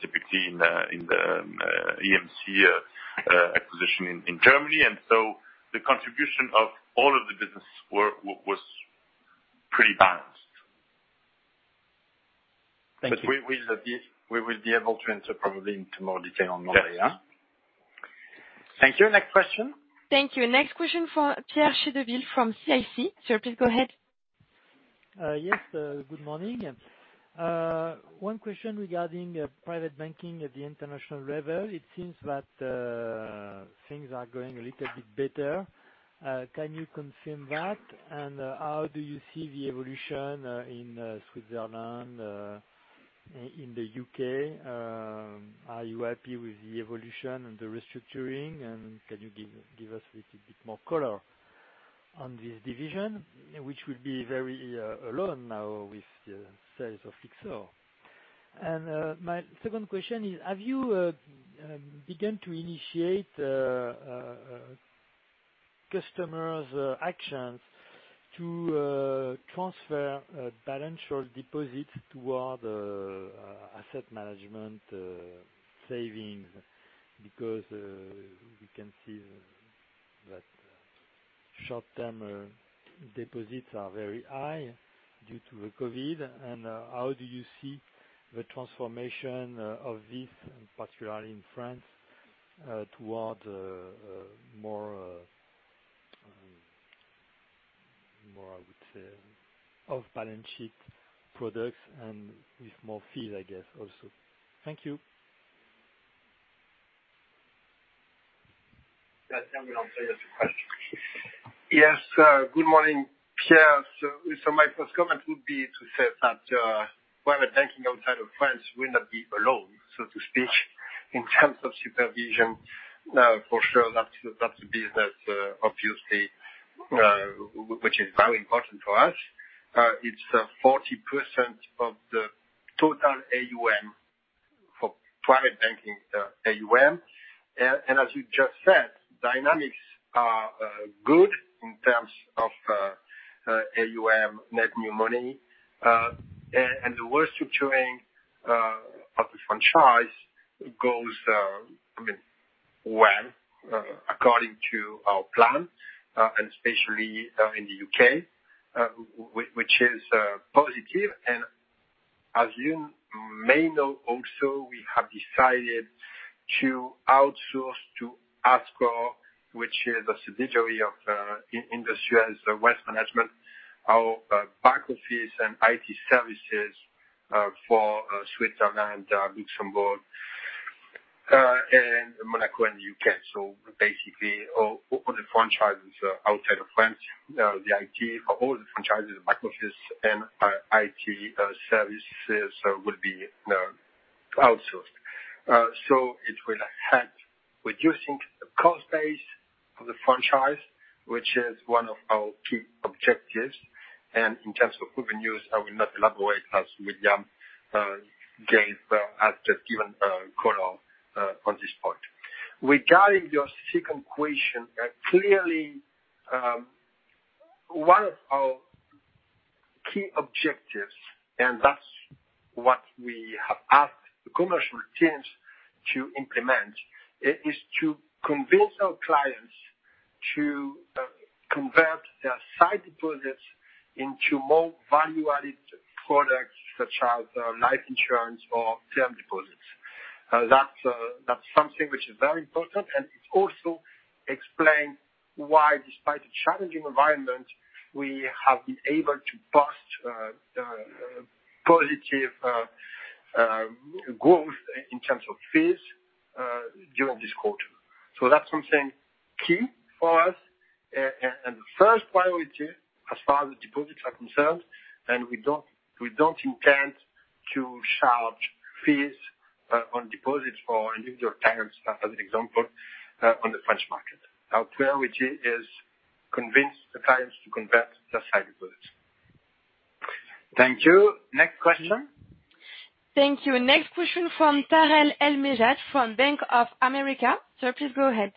typically in the EMC acquisition in Germany. The contribution of all of the business was pretty balanced. Thank you. We will be able to enter probably into more detail on Monday. Thank you. Next question. Thank you. Next question for Pierre Chédeville from CIC. Sir, please go ahead. Yes. Good morning. One question regarding private banking at the international level. It seems that things are going a little bit better. Can you confirm that? How do you see the evolution in Switzerland, in the U.K.? Are you happy with the evolution and the restructuring, and can you give us a little bit more color on this division, which will be very alone now with the sales of Lyxor? My second question is, have you begun to initiate customers' actions to transfer balance sheet deposits toward asset management savings? We can see that short-term deposits are very high due to the COVID. How do you see the transformation of this, particularly in France, toward more, I would say, off-balance sheet products and with more fees, I guess, also. Thank you. Yeah. Sébastien will answer your two questions. Yes, good morning, Pierre. My first comment would be to say that private banking outside of France will not be alone, so to speak, in terms of supervision. For sure, that's a business, obviously, which is very important to us. It's 40% of the total AUM for private banking AUM. As you just said, dynamics are good in terms of AUM net new money. The restructuring of the franchise goes well according to our plan, and especially in the U.K., which is positive. As you may know also, we have decided to outsource to Azqore, which is a subsidiary of Indosuez Wealth Management, our back office and IT services for Switzerland, Luxembourg, and Monaco and U.K. Basically, all the franchises outside of France, the IT for all the franchises, back office, and IT services will be outsourced. It will help reducing the cost base of the franchise, which is one of our key objectives. In terms of revenues, I will not elaborate as William has just given color on this point. Regarding your second question, clearly, one of our key objectives, and that's what we have asked the commercial teams to implement, is to convince our clients to convert their sight deposits into more value-added products such as life insurance or term deposits. That's something which is very important, and it also explains why, despite the challenging environment, we have been able to boast the positive growth in terms of fees during this quarter. That's something key for us, and the first priority as far as the deposits are concerned, and we don't intend to charge fees on deposits for individual clients, as an example, on the French market. Our priority is convince the clients to convert their sight deposits. Thank you. Next question. Thank you. Next question from Tarik El Mejjad from Bank of America. Sir, please go ahead.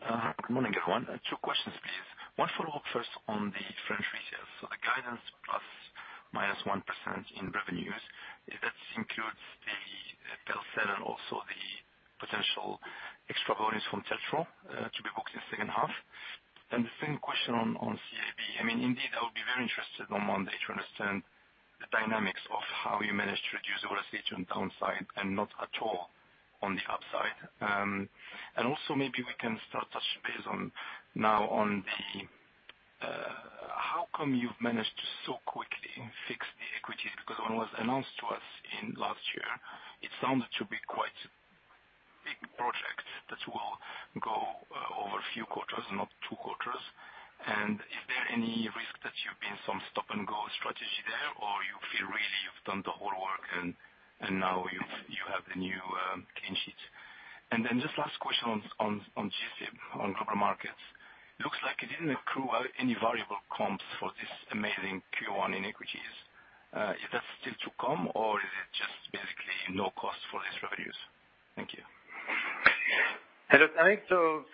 Good morning, everyone. Two questions, please. One follow-up first on the French results. The guidance ±1% in revenues, if that includes the PEL/CEL and also the potential extra bonus from TLTRO to be booked in the second half. The same question on CIB. Indeed, I would be very interested on Monday to understand the dynamics of how you managed to reduce the risk on downside and not at all on the upside. Also, maybe we can start touch base now on how come you've managed to so quickly fix the equities, because when it was announced to us last year, it sounded to be quite a big project that will go over a few quarters, not two quarters. Is there any risk that you've been some stop-and-go strategy there, or you feel really you've done the whole work and now you have the new clean sheet? This last question on GCIB, on global markets. Looks like it didn't accrue any variable comps for this amazing Q1 in equities. Is that still to come, or is it just basically no cost for these revenues? Thank you. Hello, Tarik.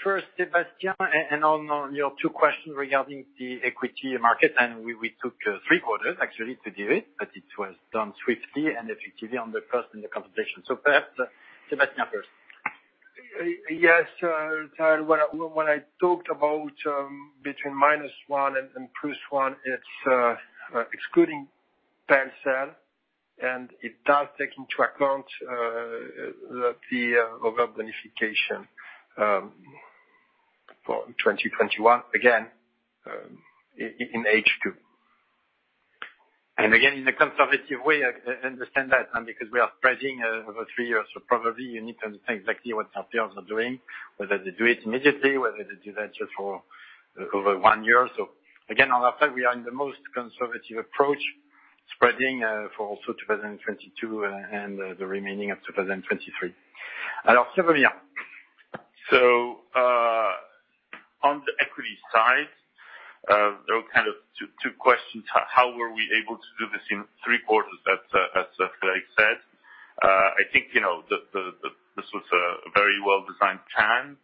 First, Sébastien, on your two questions regarding the equity market, we took three quarters actually to do it. It was done swiftly and effectively on the first in the compensation. Perhaps Sébastien first. Yes, Tarik. When I talked about between ±1%, it's excluding PEL/CEL, and it does take into account the over-bonification. For 2021, again, in H2. Again, in a conservative way, I understand that, and because we are spreading over three years, so probably you need to understand exactly what our peers are doing, whether they do it immediately, whether they do that just for over one year. Again, on our side, we are in the most conservative approach, spreading for also 2022 and the remaining of 2023. On the equity side, there were two questions. How were we able to do this in three quarters, as Frédéric said. I think, this was a very well-designed plan,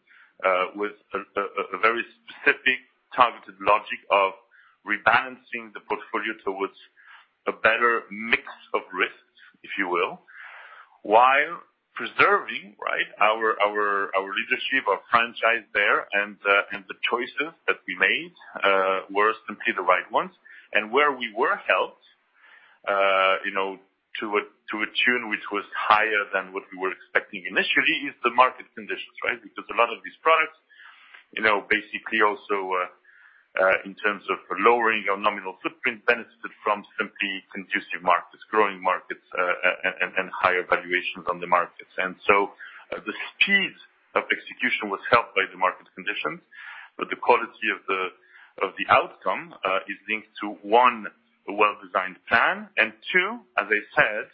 with a very specific targeted logic of rebalancing the portfolio towards a better mix of risks, if you will, while preserving our leadership, our franchise there, and the choices that we made were simply the right ones. Where we were helped to a tune which was higher than what we were expecting initially is the market conditions, right? A lot of these products, basically also, in terms of lowering our nominal footprint benefited from simply conducive markets, growing markets, and higher valuations on the markets. The speed of execution was helped by the market conditions, but the quality of the outcome is linked to one, a well-designed plan, and two, as I said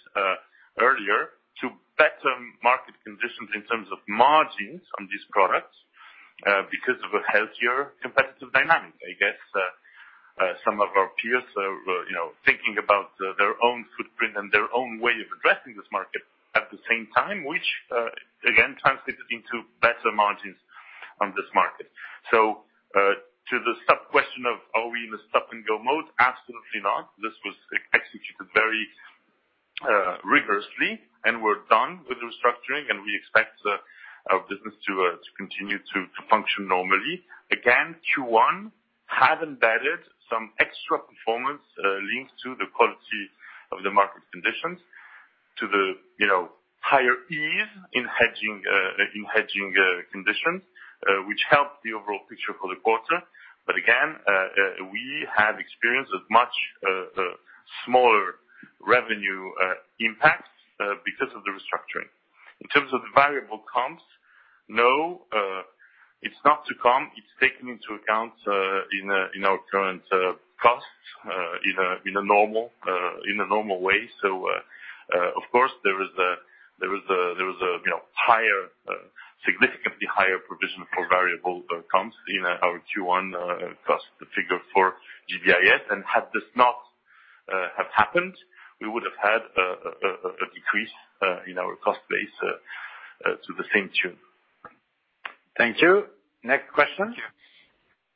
earlier, to better market conditions in terms of margins on these products, because of a healthier competitive dynamic, I guess. Some of our peers are thinking about their own footprint and their own way of addressing this market at the same time, which, again, translated into better margins on this market. To the sub-question of are we in a stop-and-go mode, absolutely not. This was executed very rigorously, and we're done with restructuring, and we expect our business to continue to function normally. Again, Q1 has embedded some extra performance links to the quality of the market conditions to the higher ease in hedging conditions, which helped the overall picture for the quarter. Again, we have experienced a much smaller revenue impact because of the restructuring. In terms of the variable comps, no, it's not to come. It's taken into account in our current costs in a normal way. Of course, there was a significantly higher provision for variable comps in our Q1 cost figure for GBIS. Had this not have happened, we would've had a decrease in our cost base to the same tune. Thank you. Next question.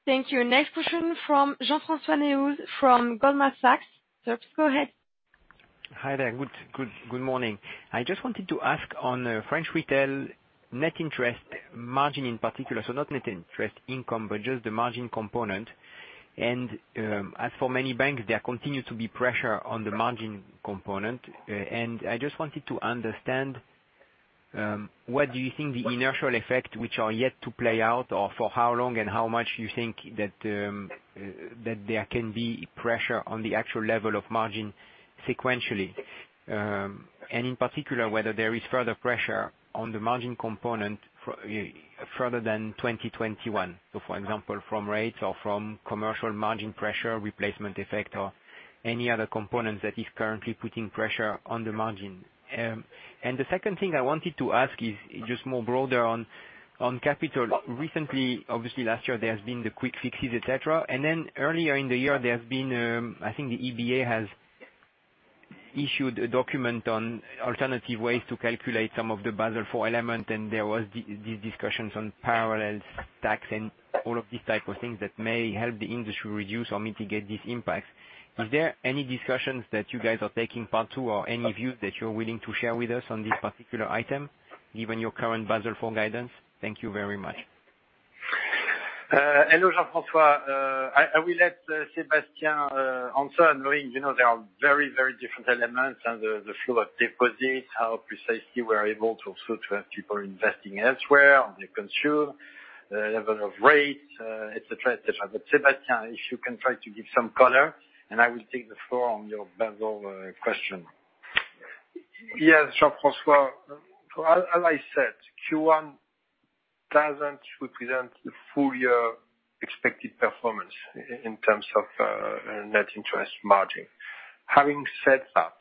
Thank you. Next question from Jean-François Neuez from Goldman Sachs. Go ahead. Hi there. Good morning. I just wanted to ask on French retail net interest margin in particular, so not net interest income, but just the margin component. As for many banks, there continue to be pressure on the margin component. I just wanted to understand what do you think the inertial effect, which are yet to play out, or for how long and how much you think that there can be pressure on the actual level of margin sequentially. In particular, whether there is further pressure on the margin component further than 2021, so for example, from rates or from commercial margin pressure, replacement effect, or any other component that is currently putting pressure on the margin. The second thing I wanted to ask is just more broader on capital. Recently, obviously last year, there has been the quick fixes, et cetera. Then earlier in the year, there has been, I think, the EBA has issued a document on alternative ways to calculate some of the Basel IV elements, and there was these discussions on parallel stack, and all of these type of things that may help the industry reduce or mitigate these impacts. Is there any discussions that you guys are taking part to or any view that you're willing to share with us on this particular item, given your current Basel IV guidance? Thank you very much. Hello, Jean-François. I will let Sébastien answer, knowing there are very different elements and the flow of deposits, how precisely we're able to also to have people investing elsewhere on the consumer, the level of rates, et cetera. Sébastien, if you can try to give some color, and I will take the floor on your Basel question. Yes, Jean-François. As I said, Q1 doesn't represent the full year expected performance in terms of net interest margin. Having said that,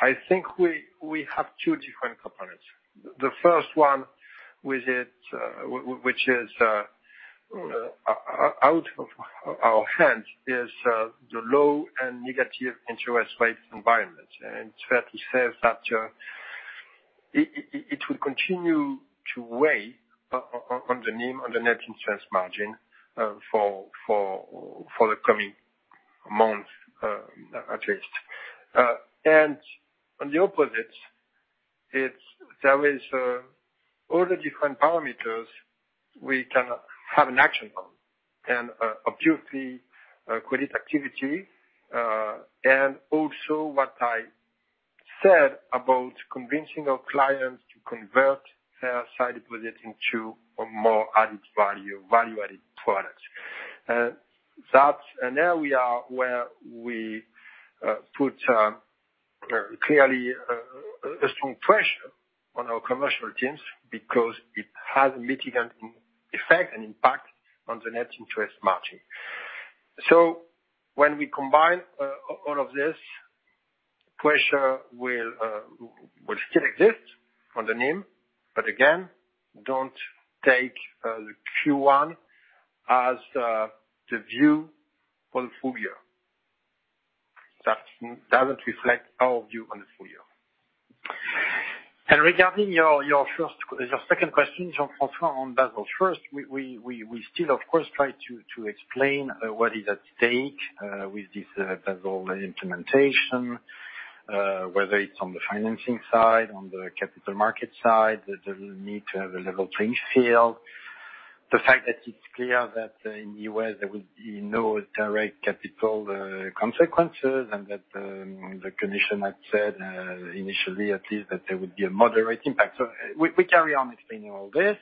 I think we have two different components. The first one, which is out of our hands, is the low and negative interest rate environment. It's fair to say that it will continue to weigh on the NIM, on the net interest margin, for the coming months, at least. On the opposite, there is all the different parameters we can have an action on, and obviously, credit activity. Then, also what I said about convincing our clients to convert their sight deposit into a more value-added product. That's an area where we put clearly a strong pressure on our commercial teams because it has a mitigant effect and impact on the net interest margin. When we combine all of this, pressure will still exist on the NIM, but again, don't take the Q1 as the view for the full year. That doesn't reflect our view on the full year. Regarding your second question, Jean-François, on Basel. First, we still, of course, try to explain what is at stake with this Basel implementation, whether it's on the financing side, on the capital market side, the need to have a level playing field. The fact that it's clear that in the U.S. there will be no direct capital consequences, and that the Commission had said, initially at least, that there would be a moderate impact. We carry on explaining all this.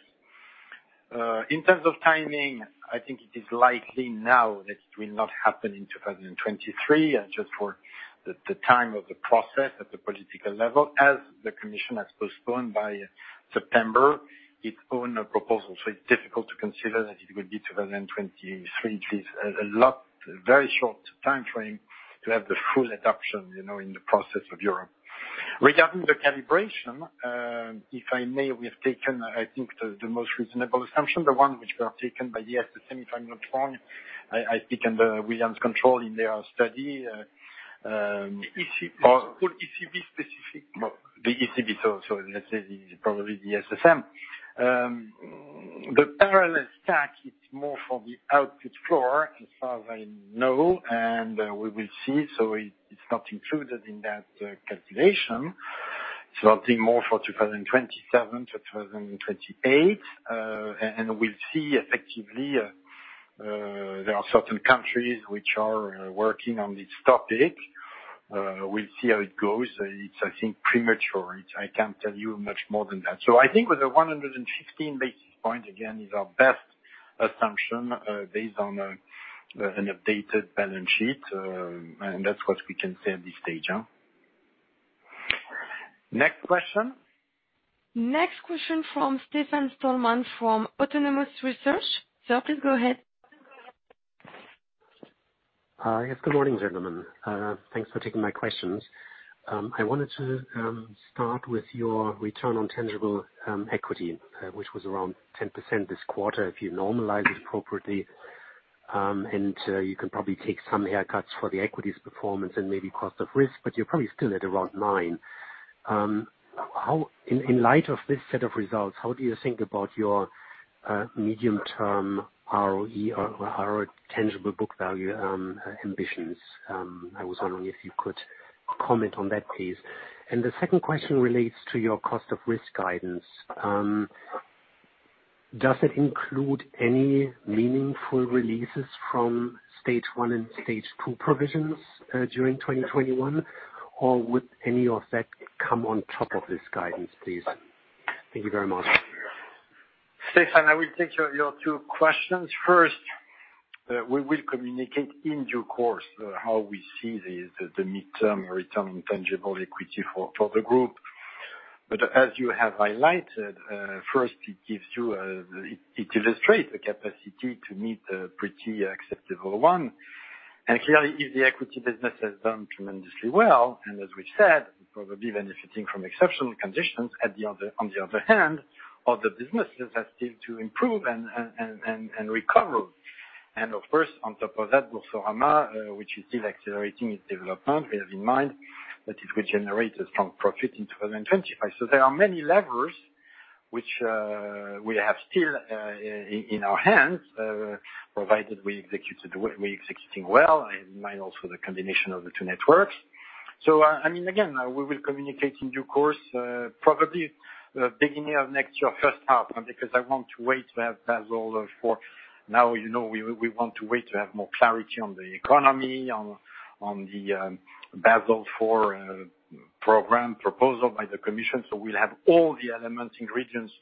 In terms of timing, I think it is likely now that it will not happen in 2023, and just for the time of the process at the political level, as the Commission has postponed by September its own proposal. It's difficult to consider that it will be 2023. It is a very short timeframe to have the full adoption in the process of Europe. Regarding the calibration, if I may, we have taken, I think, the most reasonable assumption, the one which were taken by the SSM, if I'm not wrong. I speak under William's control in their study. ECB specific. The ECB, so let's say probably the SSM. The parallel stack, it's more for the output floor, as far as I know, and we will see. It's not included in that calculation. It's something more for 2027 to 2028. We'll see effectively, there are certain countries which are working on this topic. We'll see how it goes. It's, I think, premature. I can't tell you much more than that. I think with the 115 basis points, again, is our best assumption, based on an updated balance sheet. That's what we can say at this stage. Next question? Next question from Stefan Stalmann from Autonomous Research. Sir, please go ahead. Hi. Yes, good morning, gentlemen. Thanks for taking my questions. I wanted to start with your return on tangible equity, which was around 10% this quarter, if you normalize it appropriately. You can probably take some haircuts for the equity's performance and maybe cost of risk, but you're probably still at around nine. In light of this set of results, how do you think about your medium-term ROE or tangible book value ambitions? I was wondering if you could comment on that, please. The second question relates to your cost of risk guidance. Does it include any meaningful releases from Stage 1 and Stage 2 provisions during 2021? Would any of that come on top of this guidance, please? Thank you very much. Stefan, I will take your two questions. First, we will communicate in due course, how we see the midterm return on tangible equity for the group. As you have highlighted, first it illustrates the capacity to meet a pretty acceptable one. Clearly, if the equity business has done tremendously well, and as we've said, probably benefiting from exceptional conditions, on the other hand, other businesses have still to improve and recover. Of course, on top of that, Boursorama, which is still accelerating its development. We have in mind that it will generate a strong profit in 2025. There are many levers which we have still in our hands, provided we're executing well, in mind also the combination of the two networks. Again, we will communicate in due course, probably beginning of next year, first half, because I want to wait to have Basel IV. You know, we want to wait to have more clarity on the economy, on the Basel IV program proposal by the commission. We'll have all the element ingredients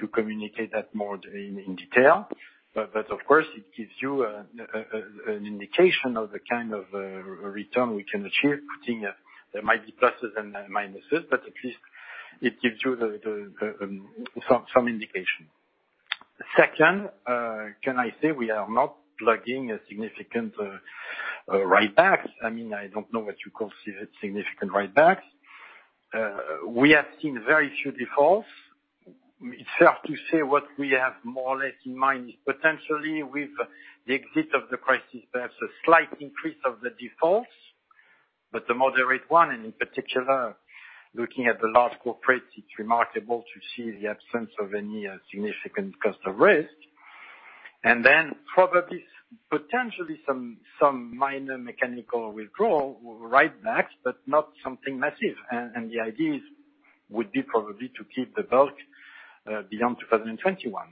to communicate that more in detail. Of course, it gives you an indication of the kind of return we can achieve, there might be pluses and minuses, but at least it gives you some indication. Second, can I say we are not flagging significant write-backs? I don't know what you consider significant write-backs. We have seen very few defaults. It's tough to say what we have more or less in mind, potentially with the exit of the crisis, there's a slight increase of the defaults, but a moderate one, and in particular, looking at the large corporates, it's remarkable to see the absence of any significant cost of risk. Probably, potentially some minor mechanical withdrawal write backs, but not something massive. The idea would be probably to keep the bulk beyond 2021.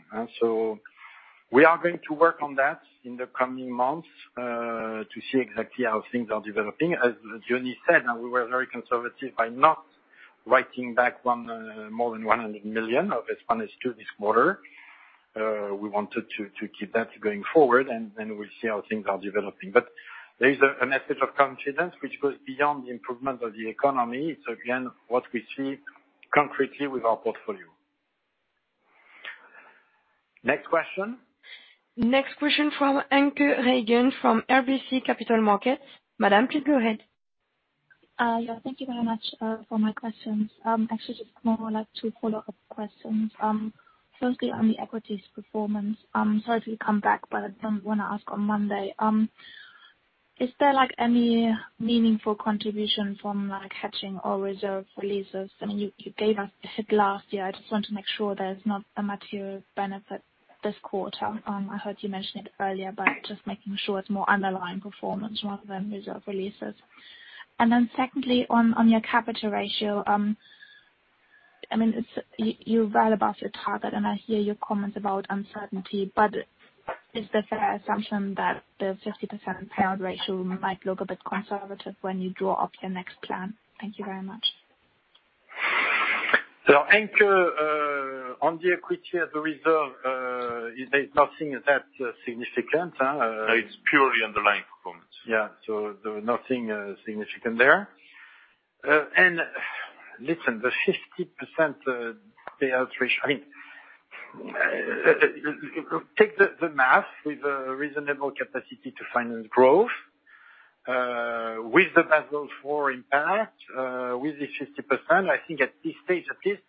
We are going to work on that in the coming months to see exactly how things are developing. As Diony said, we were very conservative by not writing back more than 100 million of Stage 1 this quarter. We wanted to keep that going forward, and we'll see how things are developing. There is a message of confidence which goes beyond the improvement of the economy. Again, what we see concretely with our portfolio. Next question. Next question from Anke Reingen from RBC Capital Markets. Madam, please go ahead. Thank you very much for my questions. Actually, just more like two follow-up questions. Firstly, on the equities performance. Sorry to come back. I didn't want to ask on Monday. Is there any meaningful contribution from hedging or reserve releases? You gave us a hint last year. I just want to make sure there's not a material benefit this quarter. I heard you mention it earlier. Just making sure it's more underlying performance rather than reserve releases. Secondly, on your capital ratio. You're well above your target. I hear your comments about uncertainty. Is the fair assumption that the 50% payout ratio might look a bit conservative when you draw up your next plan? Thank you very much. Anke, on the equity of the reserve, there's nothing that significant. It's purely underlying performance. Yeah. Nothing significant there. Listen, the 50% payout ratio, take the math with a reasonable capacity to finance growth, with the Basel IV impact, with the 50%, I think at this stage, at least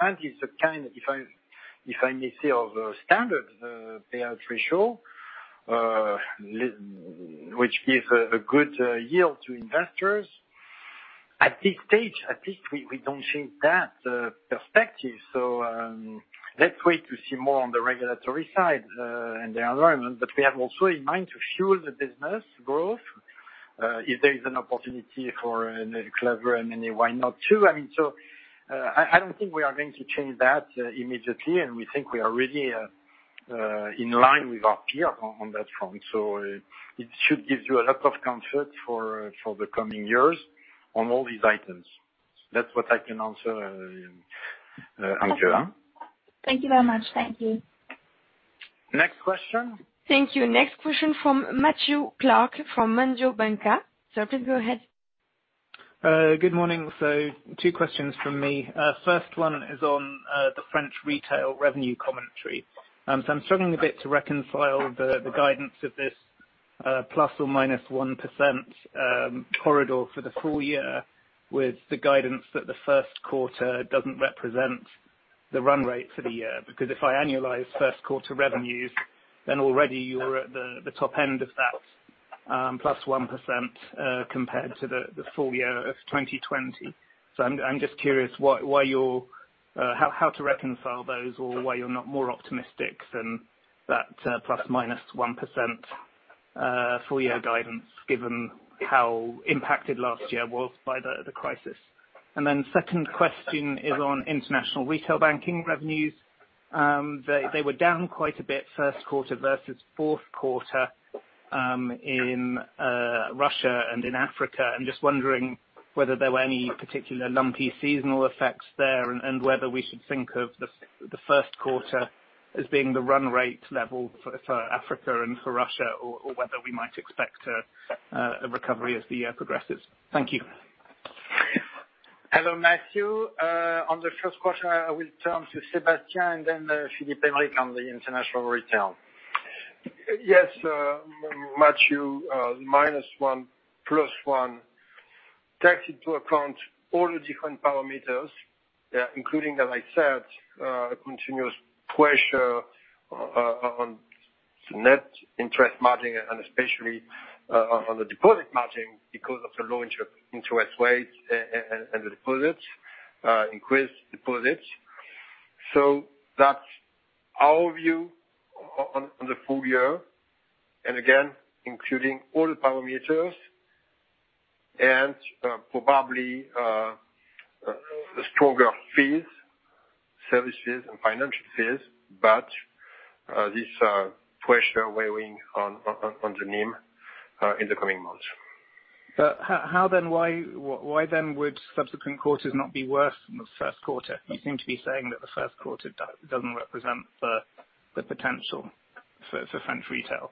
50% is a kind of, if I may say, of standard payout ratio, which gives a good yield to investors. At this stage, at least we don't change that perspective. Let's wait to see more on the regulatory side and the environment. We have also in mind to fuel the business growth, if there is an opportunity for clever M&A, why not too? I don't think we are going to change that immediately, and we think we are really in line with our peer on that front. It should give you a lot of comfort for the coming years on all these items. That's what I can answer, Anke. Thank you very much. Thank you. Next question. Thank you. Next question from Matthew Clark from Mediobanca. Sir, please go ahead. Good morning. Two questions from me. First one is on the French retail revenue commentary. I'm struggling a bit to reconcile the guidance of this ±1% corridor for the full year with the guidance that the first quarter doesn't represent the run rate for the year, because if I annualize first quarter revenues, already you're at the top end of that +1% compared to the full year of 2020. I'm just curious how to reconcile those or why you're not more optimistic than that ±1% full year guidance, given how impacted last year was by the crisis. Second question is on international retail banking revenues. They were down quite a bit first quarter versus fourth quarter in Russia and in Africa. I'm just wondering whether there were any particular lumpy seasonal effects there, and whether we should think of the first quarter as being the run rate level for Africa and for Russia or whether we might expect a recovery as the year progresses. Thank you. Hello, Matthew. On the first question, I will turn to Sébastien and then Philippe on the international retail. Yes, Matthew, ±1% takes into account all the different parameters, including, as I said, a continuous pressure on net interest margin and especially on the deposit margin because of the low interest rates and increased deposits. That's our view on the full year, and again, including all parameters and probably stronger fees, services and financial fees, but this pressure weighing on the NIM in the coming months. How then, why then would subsequent quarters not be worse than the first quarter? You seem to be saying that the first quarter doesn't represent the potential for French retail.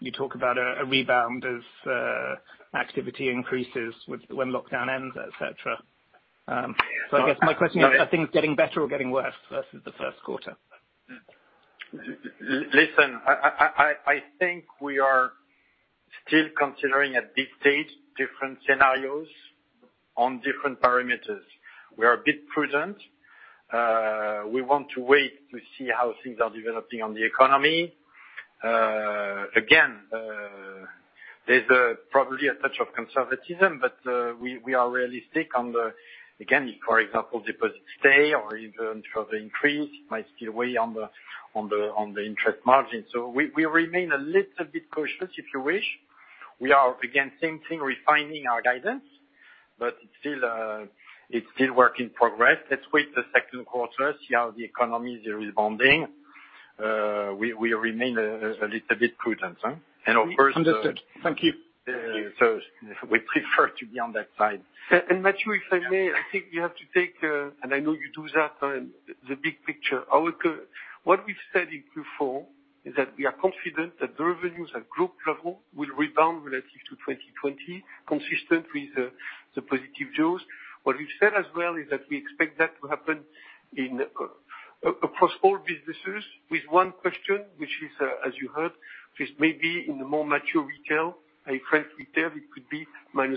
You talk about a rebound of activity increases when lockdown ends, et cetera. I guess my question is, are things getting better or getting worse versus the first quarter? Listen, I think we are still considering at this stage, different scenarios on different parameters. We are a bit prudent. We want to wait to see how things are developing on the economy. There's probably a touch of conservatism, but we are realistic on the, for example, deposit stay or even further increase might still weigh on the interest margin. We remain a little bit cautious, if you wish. We are again thinking, refining our guidance, but it's still work in progress. Let's wait the second quarter, see how the economy is responding. We remain a little bit prudent. Understood. Thank you. We prefer to be on that side. Matthew, if I may, I think you have to take, and I know you do that, the big picture. What we've said in Q4 is that we are confident that the revenues at group level will rebound relative to 2020, consistent with the positive jaws. What we've said as well, is that we expect that to happen across all businesses with one question, which is, as you heard, which may be in the more mature retail, and French retail, it could be ±1%.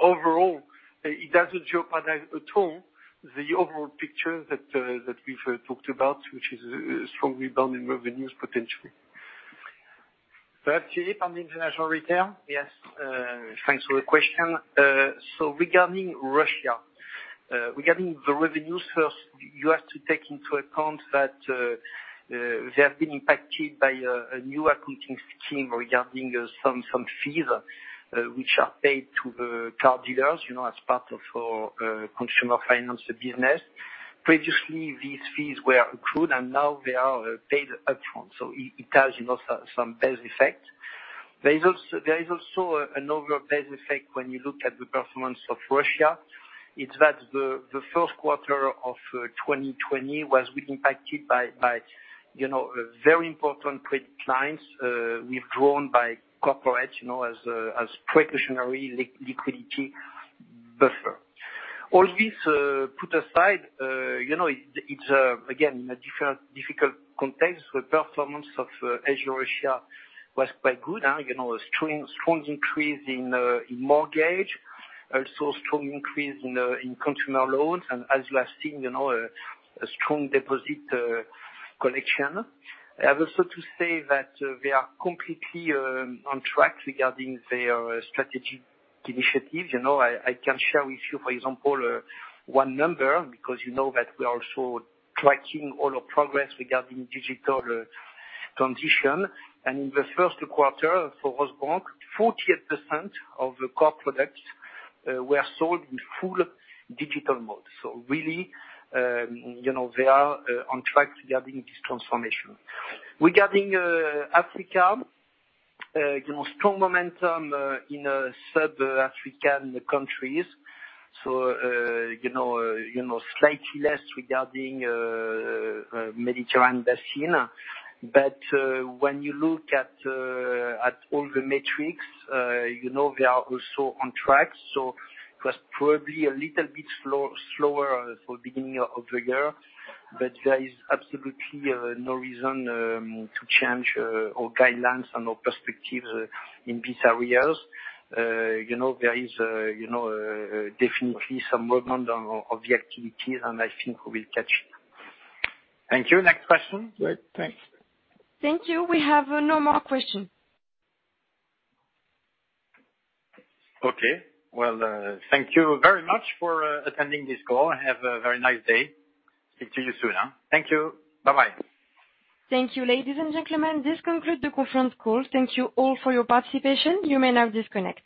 Overall, it doesn't jeopardize at all the overall picture that we've talked about, which is strong rebound in revenues, potentially. Philippe, on the international retail? Yes, thanks for the question. Regarding Russia, regarding the revenues first, you have to take into account that they have been impacted by a new accounting scheme regarding some fees which are paid to the car dealers, as part of our consumer finance business. Previously, these fees were accrued, and now they are paid upfront, so it has some base effect. There is also an overall base effect when you look at the performance of Russia. It's that the first quarter of 2020 was impacted by very important clients withdrawn by corporate, as precautionary liquidity buffer. All this put aside, it's, again, a difficult context. The performance of SG Russia was quite good. A strong increase in mortgage, also strong increase in consumer loans, and as you have seen, a strong deposit collection. I have also to say that we are completely on track regarding their strategic initiatives. I can share with you, for example, one number, because you know that we are also tracking all our progress regarding digital transition. In the first quarter for Rosbank, 48% of the core products were sold in full digital mode. Really, they are on track regarding this transformation. Regarding Africa, strong momentum in sub-African countries, so slightly less regarding Mediterranean basin. When you look at all the metrics, they are also on track. It was probably a little bit slower for beginning of the year, but there is absolutely no reason to change our guidelines and our perspectives in these areas. There is definitely some momentum of the activities, and I think we will catch it. Thank you. Next question. Great. Thanks. Thank you. We have no more question. Okay. Well, thank you very much for attending this call and have a very nice day. Speak to you soon. Thank you. Bye-bye. Thank you, ladies and gentlemen. This concludes the conference call. Thank you all for your participation. You may now disconnect.